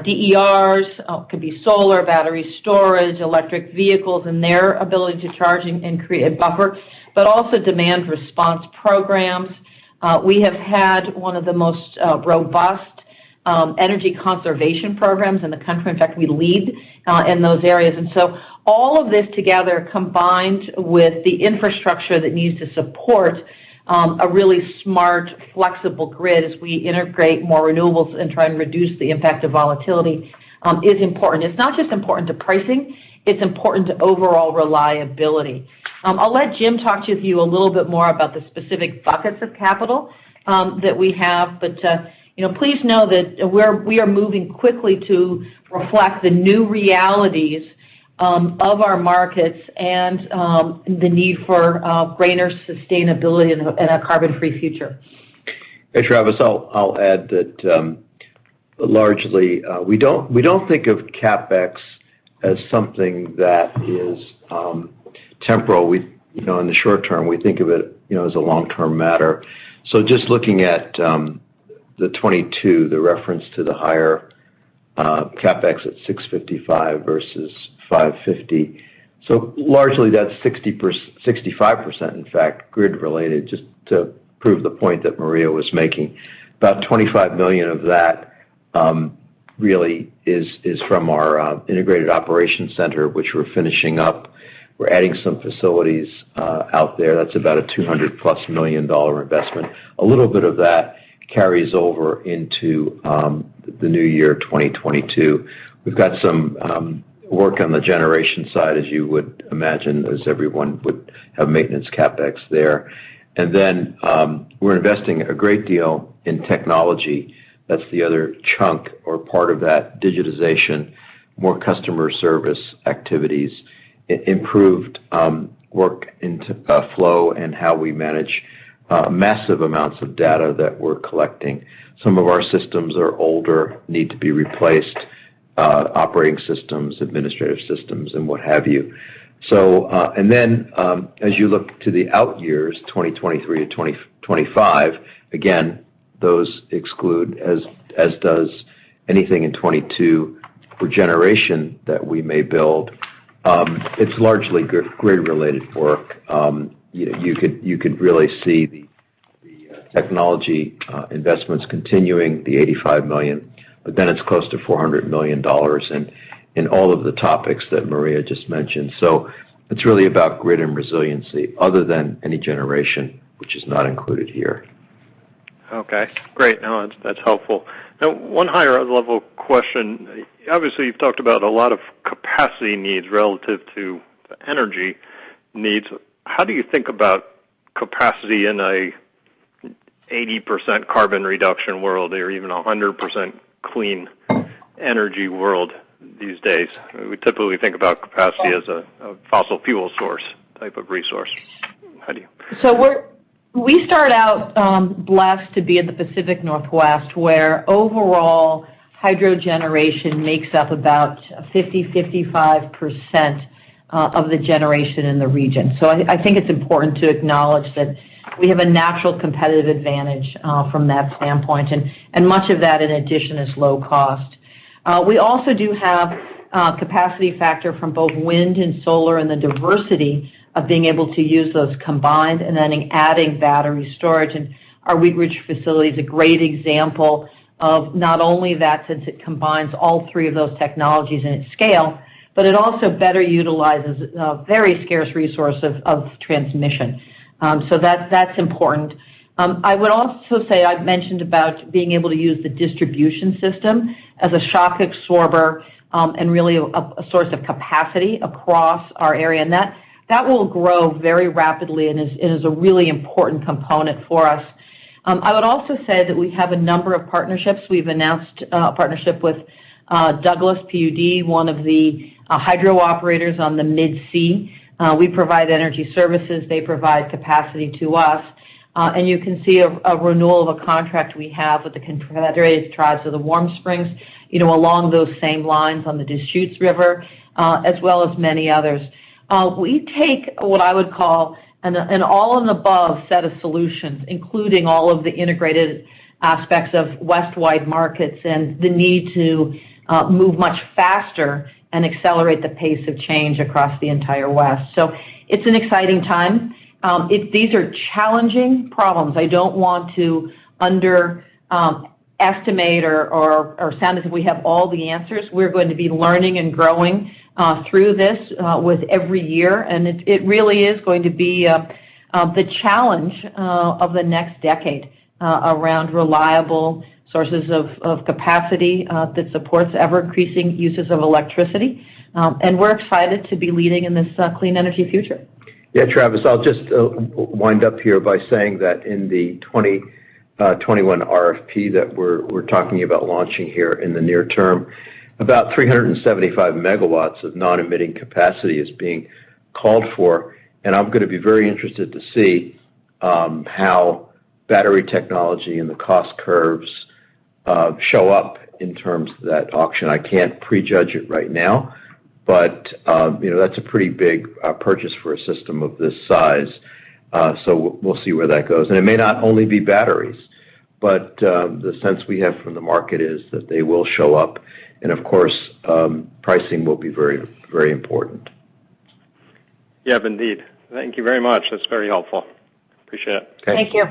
Speaker 3: DERs, could be solar, battery storage, electric vehicles, and their ability to charge and create a buffer, but also demand response programs. We have had one of the most robust energy conservation programs in the country. In fact, we lead in those areas. All of this together, combined with the infrastructure that needs to support a really smart, flexible grid as we integrate more renewables and try and reduce the impact of volatility, is important. It's not just important to pricing, it's important to overall reliability. I'll let Jim talk to you a little bit more about the specific buckets of capital that we have. You know, please know that we are moving quickly to reflect the new realities of our markets and the need for greener sustainability and a carbon-free future.
Speaker 4: Hey, Travis. I'll add that largely we don't think of CapEx as something that is temporal. You know, in the short term, we think of it, you know, as a long-term matter. Just looking at the 2022 reference to the higher CapEx at $655 million versus $550 million. Largely that's 65%, in fact, grid related, just to prove the point that Maria was making. About $25 million of that really is from our integrated operation center, which we're finishing up. We're adding some facilities out there. That's about a $200+ million investment. A little bit of that carries over into the new year, 2022. We've got some work on the generation side, as you would imagine, as everyone would have maintenance CapEx there. We're investing a great deal in technology. That's the other chunk or part of that digitization, more customer service activities, improved workflow and how we manage massive amounts of data that we're collecting. Some of our systems are older, need to be replaced, operating systems, administrative systems, and what have you. As you look to the out years, 2023-2025, again, those exclude, as does anything in 2022 for generation that we may build, it's largely grid-related work. You could really see the technology investments continuing the $85 million, but then it's close to $400 million in all of the topics that Maria just mentioned. It's really about grid and resiliency other than any generation which is not included here.
Speaker 10: Okay, great. No, that's helpful. Now, one higher level question. Obviously, you've talked about a lot of capacity needs relative to energy needs. How do you think about capacity in an 80% carbon reduction world or even a 100% clean energy world these days? We typically think about capacity as a fossil fuel source type of resource. How do you?
Speaker 3: We start out blessed to be in the Pacific Northwest, where overall hydro generation makes up about 50%-55% of the generation in the region. I think it's important to acknowledge that we have a natural competitive advantage from that standpoint. Much of that, in addition, is low cost. We also do have capacity factor from both wind and solar and the diversity of being able to use those combined and then adding battery storage. Our Wheatridge facility is a great example of not only that, since it combines all three of those technologies in its scale, but it also better utilizes a very scarce resource of transmission. That's important. I would also say, I've mentioned about being able to use the distribution system as a shock absorber, and really a source of capacity across our area. That will grow very rapidly and is a really important component for us. I would also say that we have a number of partnerships. We've announced a partnership with Douglas PUD, one of the hydro operators on the mid-Columbia. We provide energy services, they provide capacity to us. You can see a renewal of a contract we have with the Confederated Tribes of Warm Springs, you know, along those same lines on the Deschutes River, as well as many others. We take what I would call an all-of-the-above set of solutions, including all of the integrated aspects of West-wide markets and the need to move much faster and accelerate the pace of change across the entire West. It's an exciting time. These are challenging problems. I don't want to underestimate or sound as if we have all the answers. We're going to be learning and growing through this with every year. It really is going to be the challenge of the next decade around reliable sources of capacity that supports ever-increasing uses of electricity. We're excited to be leading in this clean energy future.
Speaker 4: Yeah, Travis, I'll just wind up here by saying that in the 2021 RFP that we're talking about launching here in the near term, about 375 MW of non-emitting capacity is being called for. I'm gonna be very interested to see how battery technology and the cost curves show up in terms of that auction. I can't prejudge it right now, but you know, that's a pretty big purchase for a system of this size. We'll see where that goes. It may not only be batteries, but the sense we have from the market is that they will show up. Of course, pricing will be very, very important.
Speaker 10: Yeah, indeed. Thank you very much. That's very helpful. Appreciate it.
Speaker 4: Okay.
Speaker 3: Thank you.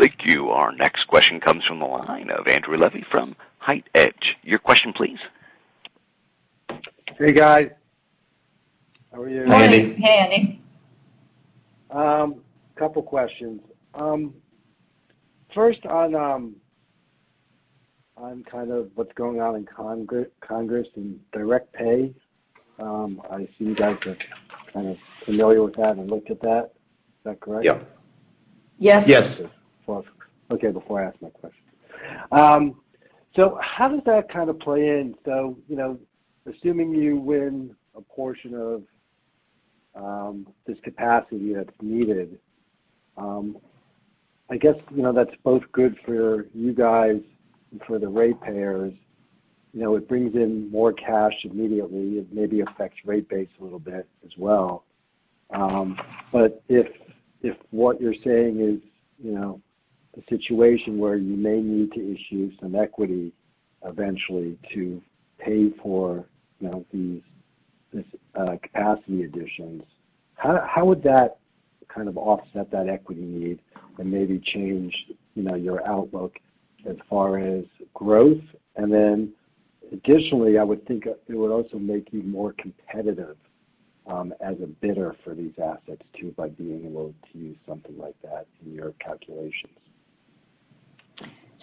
Speaker 1: Thank you. Our next question comes from the line of Andrew Levi from HITE Hedge. Your question, please.
Speaker 11: Hey, guys. How are you?
Speaker 4: Morning.
Speaker 3: Hey, Andy.
Speaker 11: A couple questions. First on kind of what's going on in Congress on direct pay. I assume you guys are kind of familiar with that and looked at that. Is that correct?
Speaker 4: Yeah.
Speaker 3: Yes.
Speaker 4: Yes.
Speaker 11: Well, okay, before I ask my question. How does that kind of play in? You know, assuming you win a portion of this capacity that's needed, I guess, you know, that's both good for you guys and for the ratepayers. You know, it brings in more cash immediately. It maybe affects rate base a little bit as well. If what you're saying is, you know, a situation where you may need to issue some equity eventually to pay for these capacity additions, how would that kind of offset that equity need and maybe change your outlook as far as growth? Additionally, I would think it would also make you more competitive as a bidder for these assets too, by being able to use something like that in your calculations.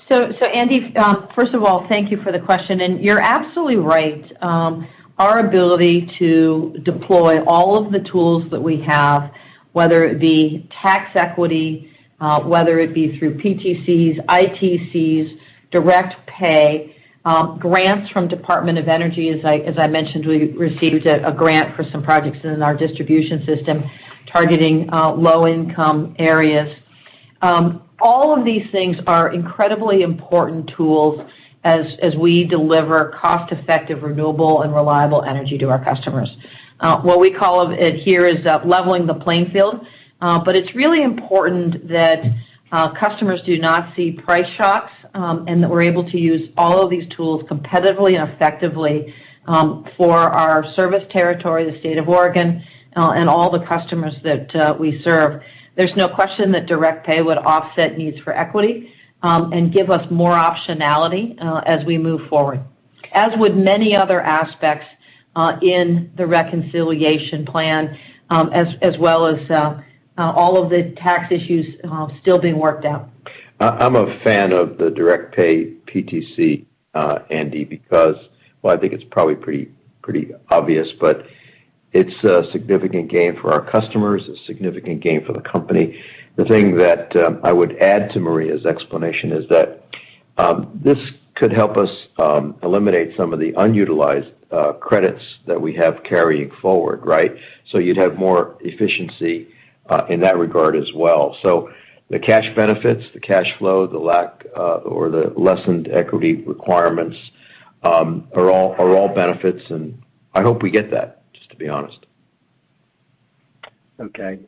Speaker 3: Andy, first of all, thank you for the question, and you're absolutely right. Our ability to deploy all of the tools that we have, whether it be tax equity, whether it be through PTCs, ITCs, direct pay, grants from Department of Energy. As I mentioned, we received a grant for some projects in our distribution system targeting low-income areas. All of these things are incredibly important tools as we deliver cost-effective, renewable, and reliable energy to our customers. What we call it here is leveling the playing field. It's really important that customers do not see price shocks, and that we're able to use all of these tools competitively and effectively for our service territory, the state of Oregon, and all the customers that we serve. There's no question that direct pay would offset needs for equity, and give us more optionality, as we move forward, as would many other aspects in the reconciliation plan, as well as all of the tax issues still being worked out.
Speaker 4: I'm a fan of the direct pay PTC, Andy, because. Well, I think it's probably pretty obvious, but it's a significant gain for our customers, a significant gain for the company. The thing that I would add to Maria's explanation is that, this could help us eliminate some of the unutilized credits that we have carrying forward, right? So you'd have more efficiency in that regard as well. So the cash benefits, the cash flow, the lack, or the lessened equity requirements, are all benefits, and I hope we get that, just to be honest.
Speaker 11: Okay.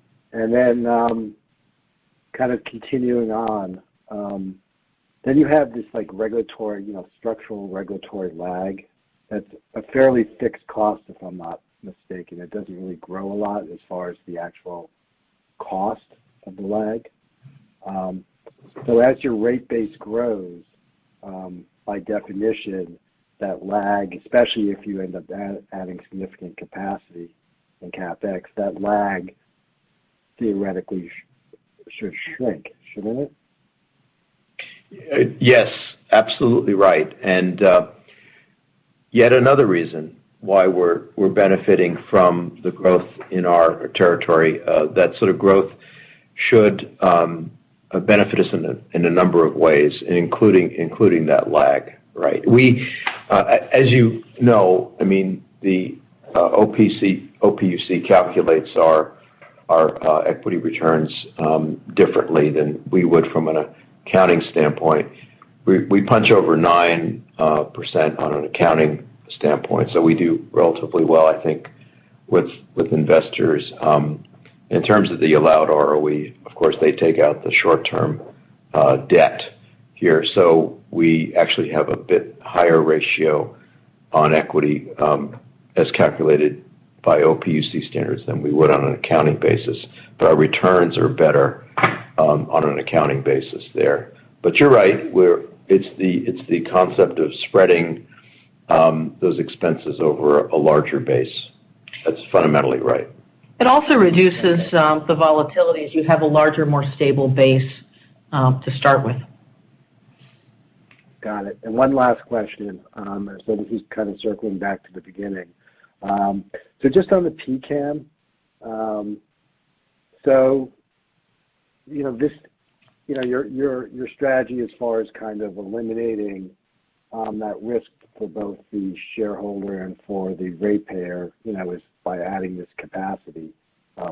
Speaker 11: Kind of continuing on, then you have this like regulatory, you know, structural regulatory lag that's a fairly fixed cost, if I'm not mistaken. It doesn't really grow a lot as far as the actual cost of the lag. As your rate base grows, by definition, that lag, especially if you end up adding significant capacity in CapEx, that lag theoretically should shrink, shouldn't it?
Speaker 4: Yes, absolutely right. Yet another reason why we're benefiting from the growth in our territory, that sort of growth should benefit us in a number of ways, including that lag, right? As you know, I mean, the OPUC calculates our equity returns differently than we would from an accounting standpoint. We punch over 9% on an accounting standpoint. We do relatively well, I think, with investors. In terms of the allowed ROE, of course, they take out the short-term debt here. We actually have a bit higher ratio on equity, as calculated by OPUC standards than we would on an accounting basis. Our returns are better on an accounting basis there. You're right. It's the concept of spreading those expenses over a larger base. That's fundamentally right.
Speaker 3: It also reduces the volatility as you have a larger, more stable base to start with.
Speaker 11: Got it. One last question, as though he's kind of circling back to the beginning. So just on the PCAM, so, you know, this, you know, your strategy as far as kind of eliminating, that risk for both the shareholder and for the ratepayer, you know, is by adding this capacity,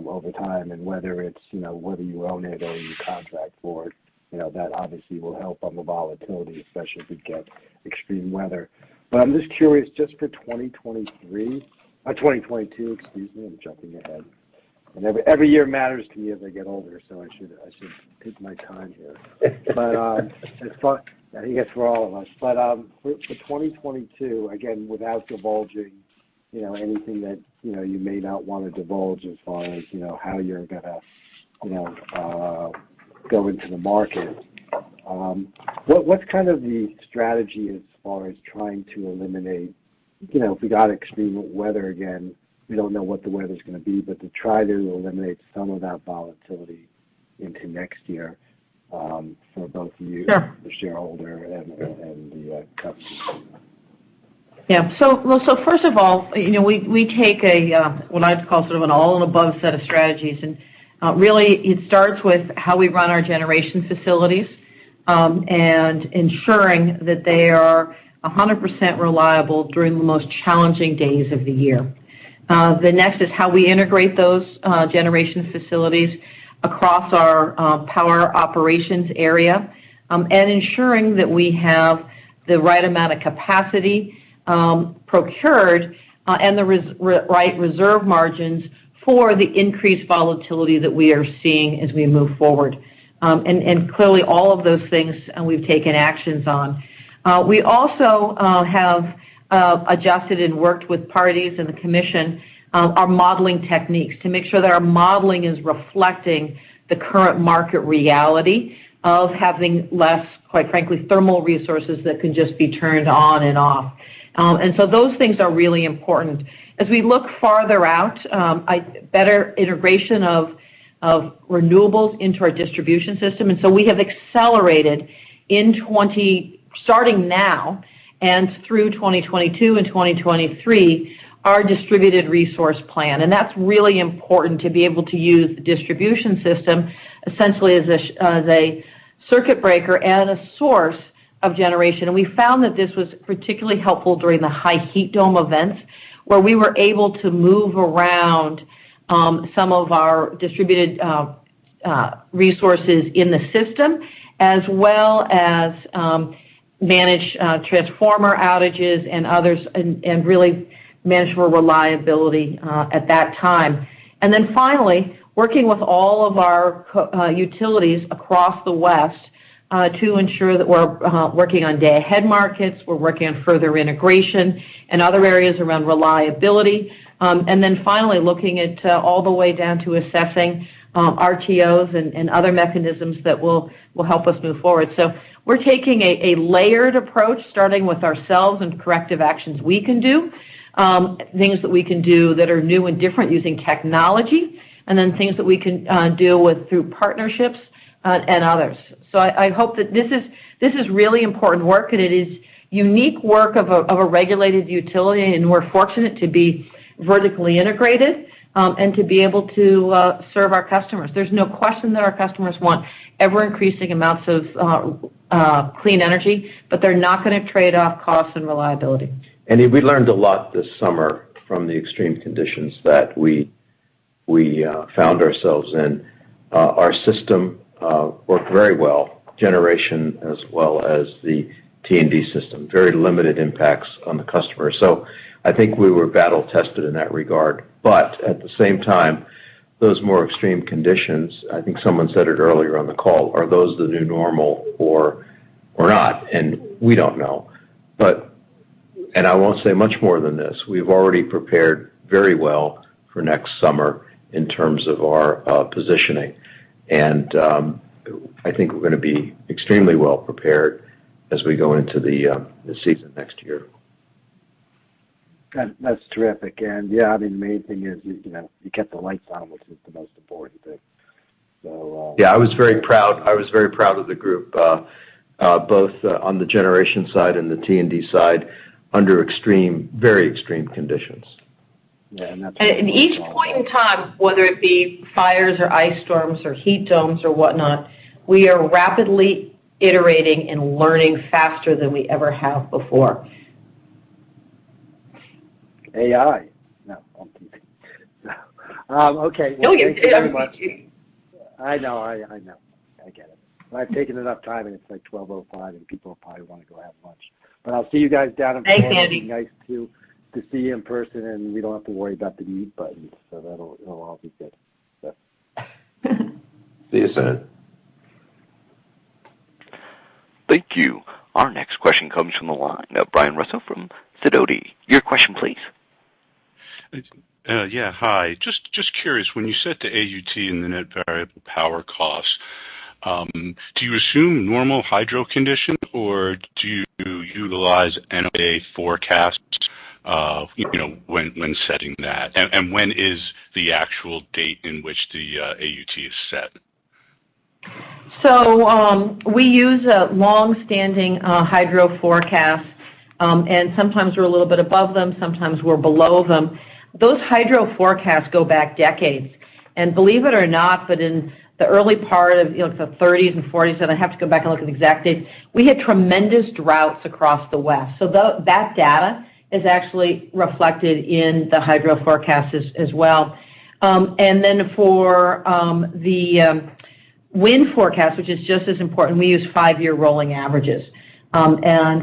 Speaker 11: over time, and whether it's, you know, whether you own it or you contract for it, you know, that obviously will help on the volatility, especially if we get extreme weather. I'm just curious, just for 2023, 2022, excuse me, I'm jumping ahead. Every year matters to you as I get older, so I should take my time here. I guess for all of us. for 2022, again, without divulging, you know, anything that, you know, you may not wanna divulge as far as, you know, how you're gonna, you know, go into the market, what's kind of the strategy as far as trying to eliminate, you know, if we got extreme weather again, we don't know what the weather's gonna be, but to try to eliminate some of that volatility into next year, for both you-
Speaker 3: Sure
Speaker 11: the shareholder and the customers.
Speaker 3: First of all, we take what I'd call sort of an all-of-the-above set of strategies. Really, it starts with how we run our generation facilities and ensuring that they are 100% reliable during the most challenging days of the year. The next is how we integrate those generation facilities across our power operations area and ensuring that we have the right amount of capacity procured and the right reserve margins for the increased volatility that we are seeing as we move forward. And clearly, all of those things, and we've taken actions on. We also have adjusted and worked with parties and the commission our modeling techniques to make sure that our modeling is reflecting the current market reality of having less, quite frankly, thermal resources that can just be turned on and off. Those things are really important. As we look farther out, better integration of renewables into our distribution system. We have accelerated starting now and through 2022 and 2023, our distributed resource plan. That's really important to be able to use the distribution system essentially as a circuit breaker and a source of generation. We found that this was particularly helpful during the high heat dome events, where we were able to move around some of our distributed resources in the system, as well as manage transformer outages and others and really manage reliability at that time. Working with all of our utilities across the West to ensure that we're working on day-ahead markets, we're working on further integration and other areas around reliability. Looking at all the way down to assessing RTOs and other mechanisms that will help us move forward. We're taking a layered approach, starting with ourselves and corrective actions we can do, things that we can do that are new and different using technology, and then things that we can deal with through partnerships, and others. I hope that this is really important work, and it is unique work of a regulated utility, and we're fortunate to be vertically integrated, and to be able to serve our customers. There's no question that our customers want ever-increasing amounts of clean energy, but they're not gonna trade off cost and reliability.
Speaker 4: Andy, we learned a lot this summer from the extreme conditions that we found ourselves in. Our system worked very well, generation as well as the T&D system. Very limited impacts on the customer. I think we were battle tested in that regard. At the same time, those more extreme conditions, I think someone said it earlier on the call, are those the new normal or not? We don't know. I won't say much more than this. We've already prepared very well for next summer in terms of our positioning. I think we're gonna be extremely well prepared as we go into the season next year.
Speaker 11: Got it. That's terrific. Yeah, I mean, the main thing is, you know, you kept the lights on, which is the most important thing.
Speaker 4: Yeah, I was very proud of the group, both on the generation side and the T&D side under extreme, very extreme conditions.
Speaker 11: Yeah.
Speaker 3: At each point in time, whether it be fires or ice storms or heat domes or whatnot, we are rapidly iterating and learning faster than we ever have before.
Speaker 11: AI. No. Okay.
Speaker 3: No, you're very.
Speaker 11: Thank you very much. I know. I know. I get it. I've taken enough time, and it's like 12:05 P.M, and people probably wanna go have lunch. I'll see you guys down in-
Speaker 3: Thanks, Andy.
Speaker 11: It'll be nice to see you in person, and we don't have to worry about the mute button, so it'll all be good.
Speaker 4: See you soon.
Speaker 1: Thank you. Our next question comes from the line of Brian Russo from Sidoti. Your question, please.
Speaker 12: Yeah. Hi. Just curious. When you set the AUT and the Net Variable Power Costs, do you assume normal hydro condition, or do you utilize NOAA forecasts, you know, when setting that? When is the actual date in which the AUT is set?
Speaker 3: We use a long-standing hydro forecast, and sometimes we're a little bit above them, sometimes we're below them. Those hydro forecasts go back decades. Believe it or not, but in the early part of, you know, the thirties and forties, and I have to go back and look at the exact date, we had tremendous droughts across the West. That data is actually reflected in the hydro forecast as well. Then for the wind forecast, which is just as important, we use five-year rolling averages.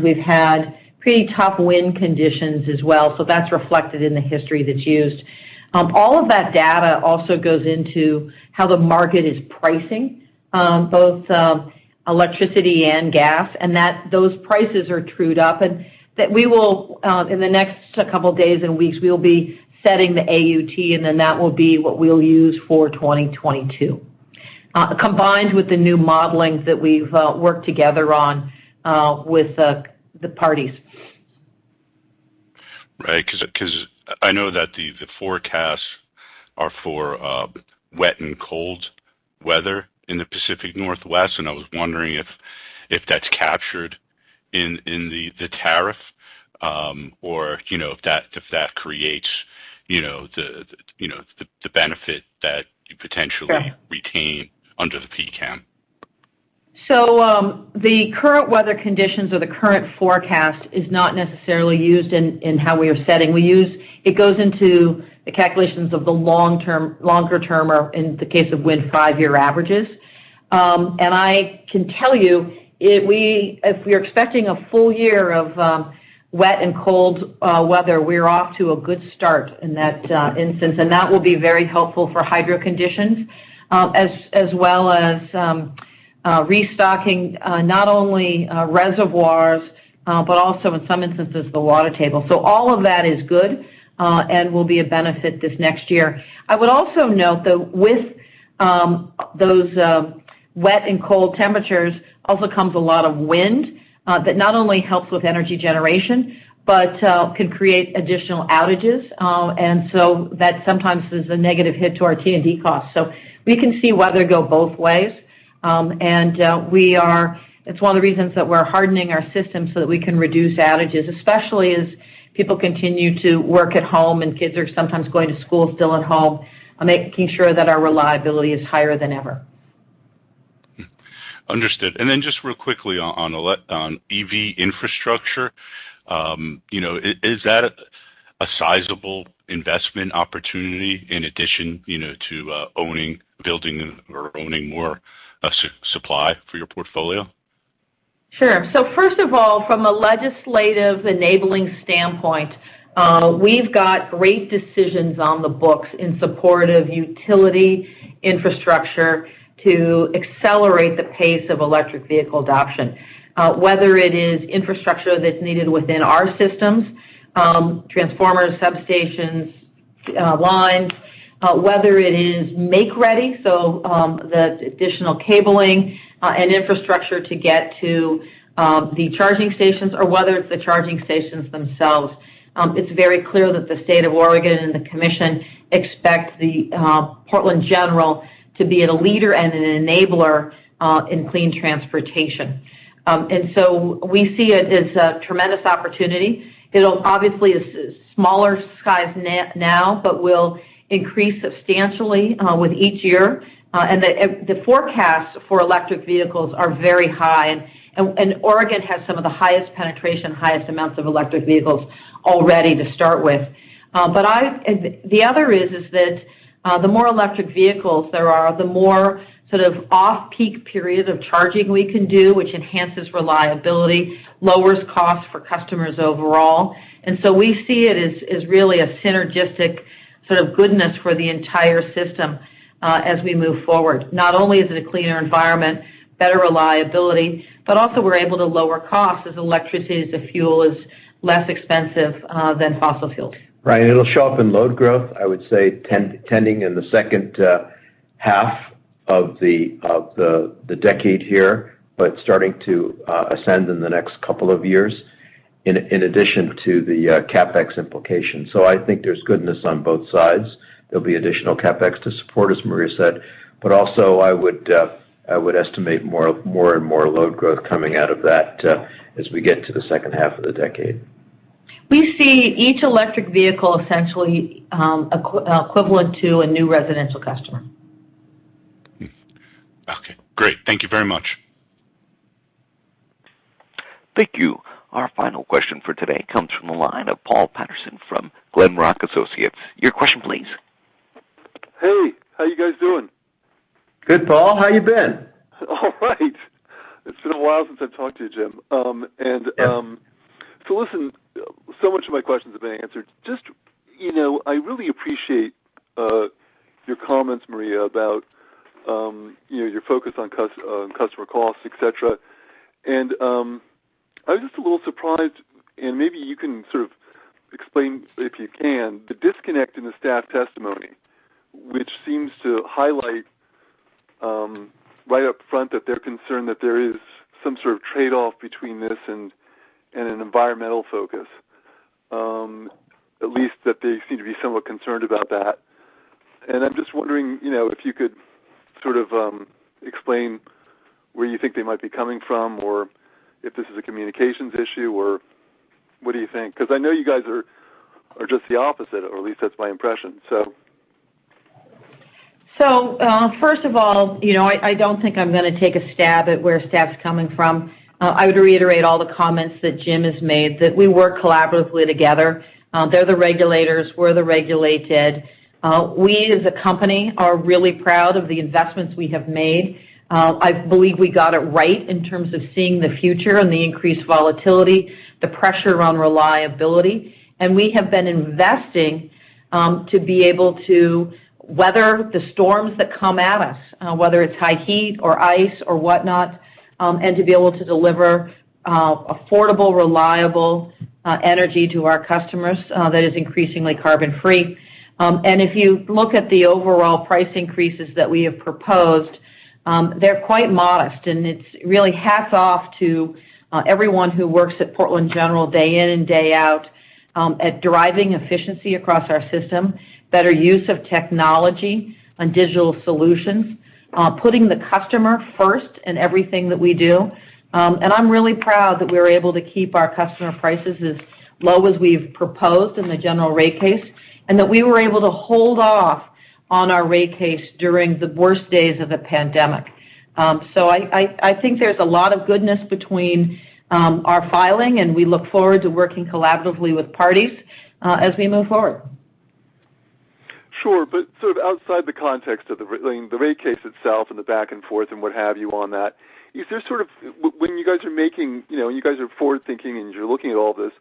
Speaker 3: We've had pretty tough wind conditions as well, so that's reflected in the history that's used. All of that data also goes into how the market is pricing both electricity and gas, and that those prices are trued up, and that we will in the next couple of days and weeks be setting the AUT, and then that will be what we'll use for 2022 combined with the new modeling that we've worked together on with the parties.
Speaker 12: Right. 'Cause I know that the forecasts are for wet and cold weather in the Pacific Northwest, and I was wondering if that's captured in the tariff, or, you know, if that creates, you know, the benefit that you potentially
Speaker 3: Sure.
Speaker 12: Retain under the PCAM.
Speaker 3: The current weather conditions or the current forecast is not necessarily used in how we are setting. It goes into the calculations of the long term, longer term or in the case of wind, five-year averages. I can tell you if we're expecting a full year of wet and cold weather, we're off to a good start in that instance, and that will be very helpful for hydro conditions, as well as restocking not only reservoirs but also in some instances, the water table. All of that is good and will be a benefit this next year. I would also note, though, with those wet and cold temperatures also comes a lot of wind that not only helps with energy generation, but can create additional outages. That sometimes is a negative hit to our T&D costs. We can see weather go both ways. It's one of the reasons that we're hardening our system so that we can reduce outages, especially as people continue to work at home and kids are sometimes going to school still at home, making sure that our reliability is higher than ever.
Speaker 12: Understood. Just real quickly on EV infrastructure, you know, is that a sizable investment opportunity in addition, you know, to owning, building or owning more supply for your portfolio?
Speaker 3: Sure. First of all, from a legislative enabling standpoint, we've got great decisions on the books in support of utility infrastructure to accelerate the pace of electric vehicle adoption. Whether it is infrastructure that's needed within our systems, transformers, substations, lines, whether it is make ready, so, the additional cabling, and infrastructure to get to, the charging stations or whether it's the charging stations themselves. It's very clear that the state of Oregon and the commission expects the Portland General to be a leader and an enabler, in clean transportation. We see it as a tremendous opportunity. It'll obviously be smaller size now but will increase substantially, with each year. The forecast for electric vehicles are very high, and Oregon has some of the highest penetration, highest amounts of electric vehicles already to start with. The other is that the more electric vehicles there are, the more sort of off-peak periods of charging we can do, which enhances reliability, lowers costs for customers overall. We see it as really a synergistic sort of goodness for the entire system as we move forward. Not only is it a cleaner environment, better reliability, but also we're able to lower costs as electricity, as the fuel is less expensive than fossil fuels.
Speaker 4: Right. It'll show up in load growth, I would say tending in the second half of the decade here, but starting to ascend in the next couple of years in addition to the CapEx implication. I think there's goodness on both sides. There'll be additional CapEx to support, as Maria said, but also I would estimate more and more load growth coming out of that as we get to the second half of the decade.
Speaker 3: We see each electric vehicle essentially equivalent to a new residential customer.
Speaker 12: Okay, great. Thank you very much.
Speaker 1: Thank you. Our final question for today comes from the line of Paul Patterson from Glenrock Associates. Your question, please.
Speaker 13: Hey, how you guys doing?
Speaker 4: Good, Paul. How you been?
Speaker 13: All right. It's been a while since I've talked to you, Jim. Many of my questions have been answered. Just, you know, I really appreciate your comments, Maria, about, you know, your focus on customer costs, et cetera. I was just a little surprised, and maybe you can sort of explain, if you can, the disconnect in the staff testimony, which seems to highlight right up front that they're concerned that there is some sort of trade-off between this and an environmental focus, at least that they seem to be somewhat concerned about that. I'm just wondering, you know, if you could sort of explain where you think they might be coming from or if this is a communications issue or what do you think? 'Cause I know you guys are just the opposite, or at least that's my impression, so.
Speaker 3: First of all, you know, I don't think I'm gonna take a stab at where staff's coming from. I would reiterate all the comments that Jim has made, that we work collaboratively together. They're the regulators, we're the regulated. We, as a company, are really proud of the investments we have made. I believe we got it right in terms of seeing the future and the increased volatility, the pressure on reliability. We have been investing to be able to weather the storms that come at us, whether it's high heat or ice or whatnot, and to be able to deliver affordable, reliable energy to our customers that is increasingly carbon-free. If you look at the overall price increases that we have proposed, they're quite modest, and it's really hats off to everyone who works at Portland General day in and day out at deriving efficiency across our system, better use of technology on digital solutions, putting the customer first in everything that we do. I'm really proud that we were able to keep our customer prices as low as we've proposed in the General Rate Case, and that we were able to hold off on our rate case during the worst days of the pandemic. I think there's a lot of goodness in our filing, and we look forward to working collaboratively with parties as we move forward.
Speaker 13: Sure. Sort of outside the context of, I mean, the rate case itself and the back and forth and what have you on that, is there sort of when you guys are making, you know, you guys are forward-thinking, and you're looking at all this,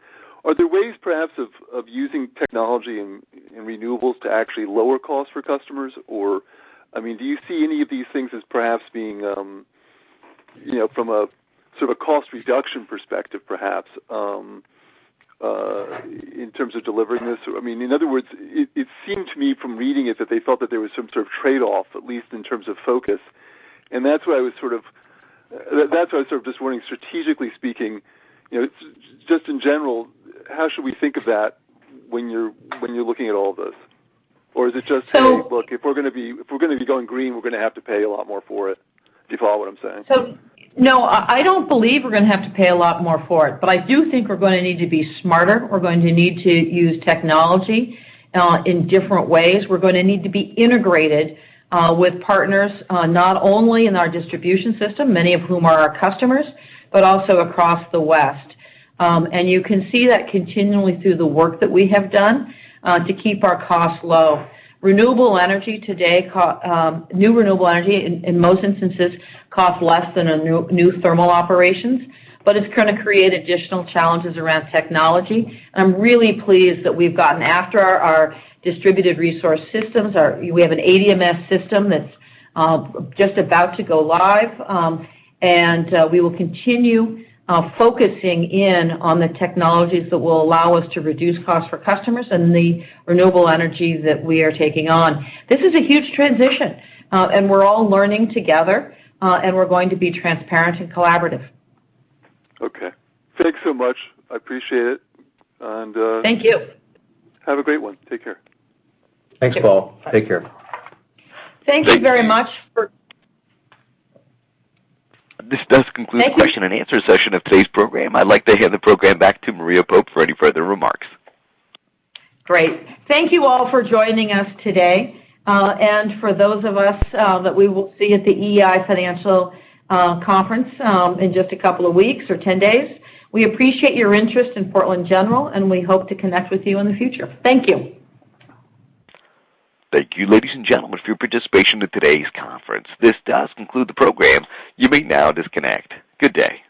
Speaker 13: are there ways perhaps of using technology and renewables to actually lower costs for customers? Or, I mean, do you see any of these things as perhaps being, you know, from a sort of cost reduction perspective, perhaps, in terms of delivering this? I mean, in other words, it seemed to me from reading it that they felt that there was some sort of trade-off, at least in terms of focus, and that's why I was sort of. That's why I was sort of just wondering, strategically speaking, you know, just in general, how should we think of that when you're looking at all this? Or is it just saying-
Speaker 3: So-
Speaker 13: Look, if we're gonna be going green, we're gonna have to pay a lot more for it." Do you follow what I'm saying?
Speaker 3: No, I don't believe we're gonna have to pay a lot more for it, but I do think we're gonna need to be smarter. We're going to need to use technology in different ways. We're gonna need to be integrated with partners, not only in our distribution system, many of whom are our customers, but also across the West. You can see that continually through the work that we have done to keep our costs low. New renewable energy in most instances costs less than a new thermal operations, but it's gonna create additional challenges around technology. I'm really pleased that we've gotten after our distributed resource systems. We have an ADMS system that's just about to go live. We will continue focusing in on the technologies that will allow us to reduce costs for customers and the renewable energy that we are taking on. This is a huge transition, and we're all learning together, and we're going to be transparent and collaborative.
Speaker 13: Okay. Thanks so much. I appreciate it.
Speaker 3: Thank you.
Speaker 13: Have a great one. Take care.
Speaker 3: Thank you. Bye.
Speaker 1: Thanks, Paul. Take care.
Speaker 3: Thank you very much for.
Speaker 1: This does conclude.
Speaker 3: Thank you.
Speaker 1: the question and answer session of today's program. I'd like to hand the program back to Maria Pope for any further remarks.
Speaker 3: Great. Thank you all for joining us today. For those of us that we will see at the EEI Financial Conference in just a couple of weeks or 10 days, we appreciate your interest in Portland General, and we hope to connect with you in the future. Thank you.
Speaker 1: Thank you, ladies and gentlemen, for your participation in today's conference. This does conclude the program. You may now disconnect. Good day.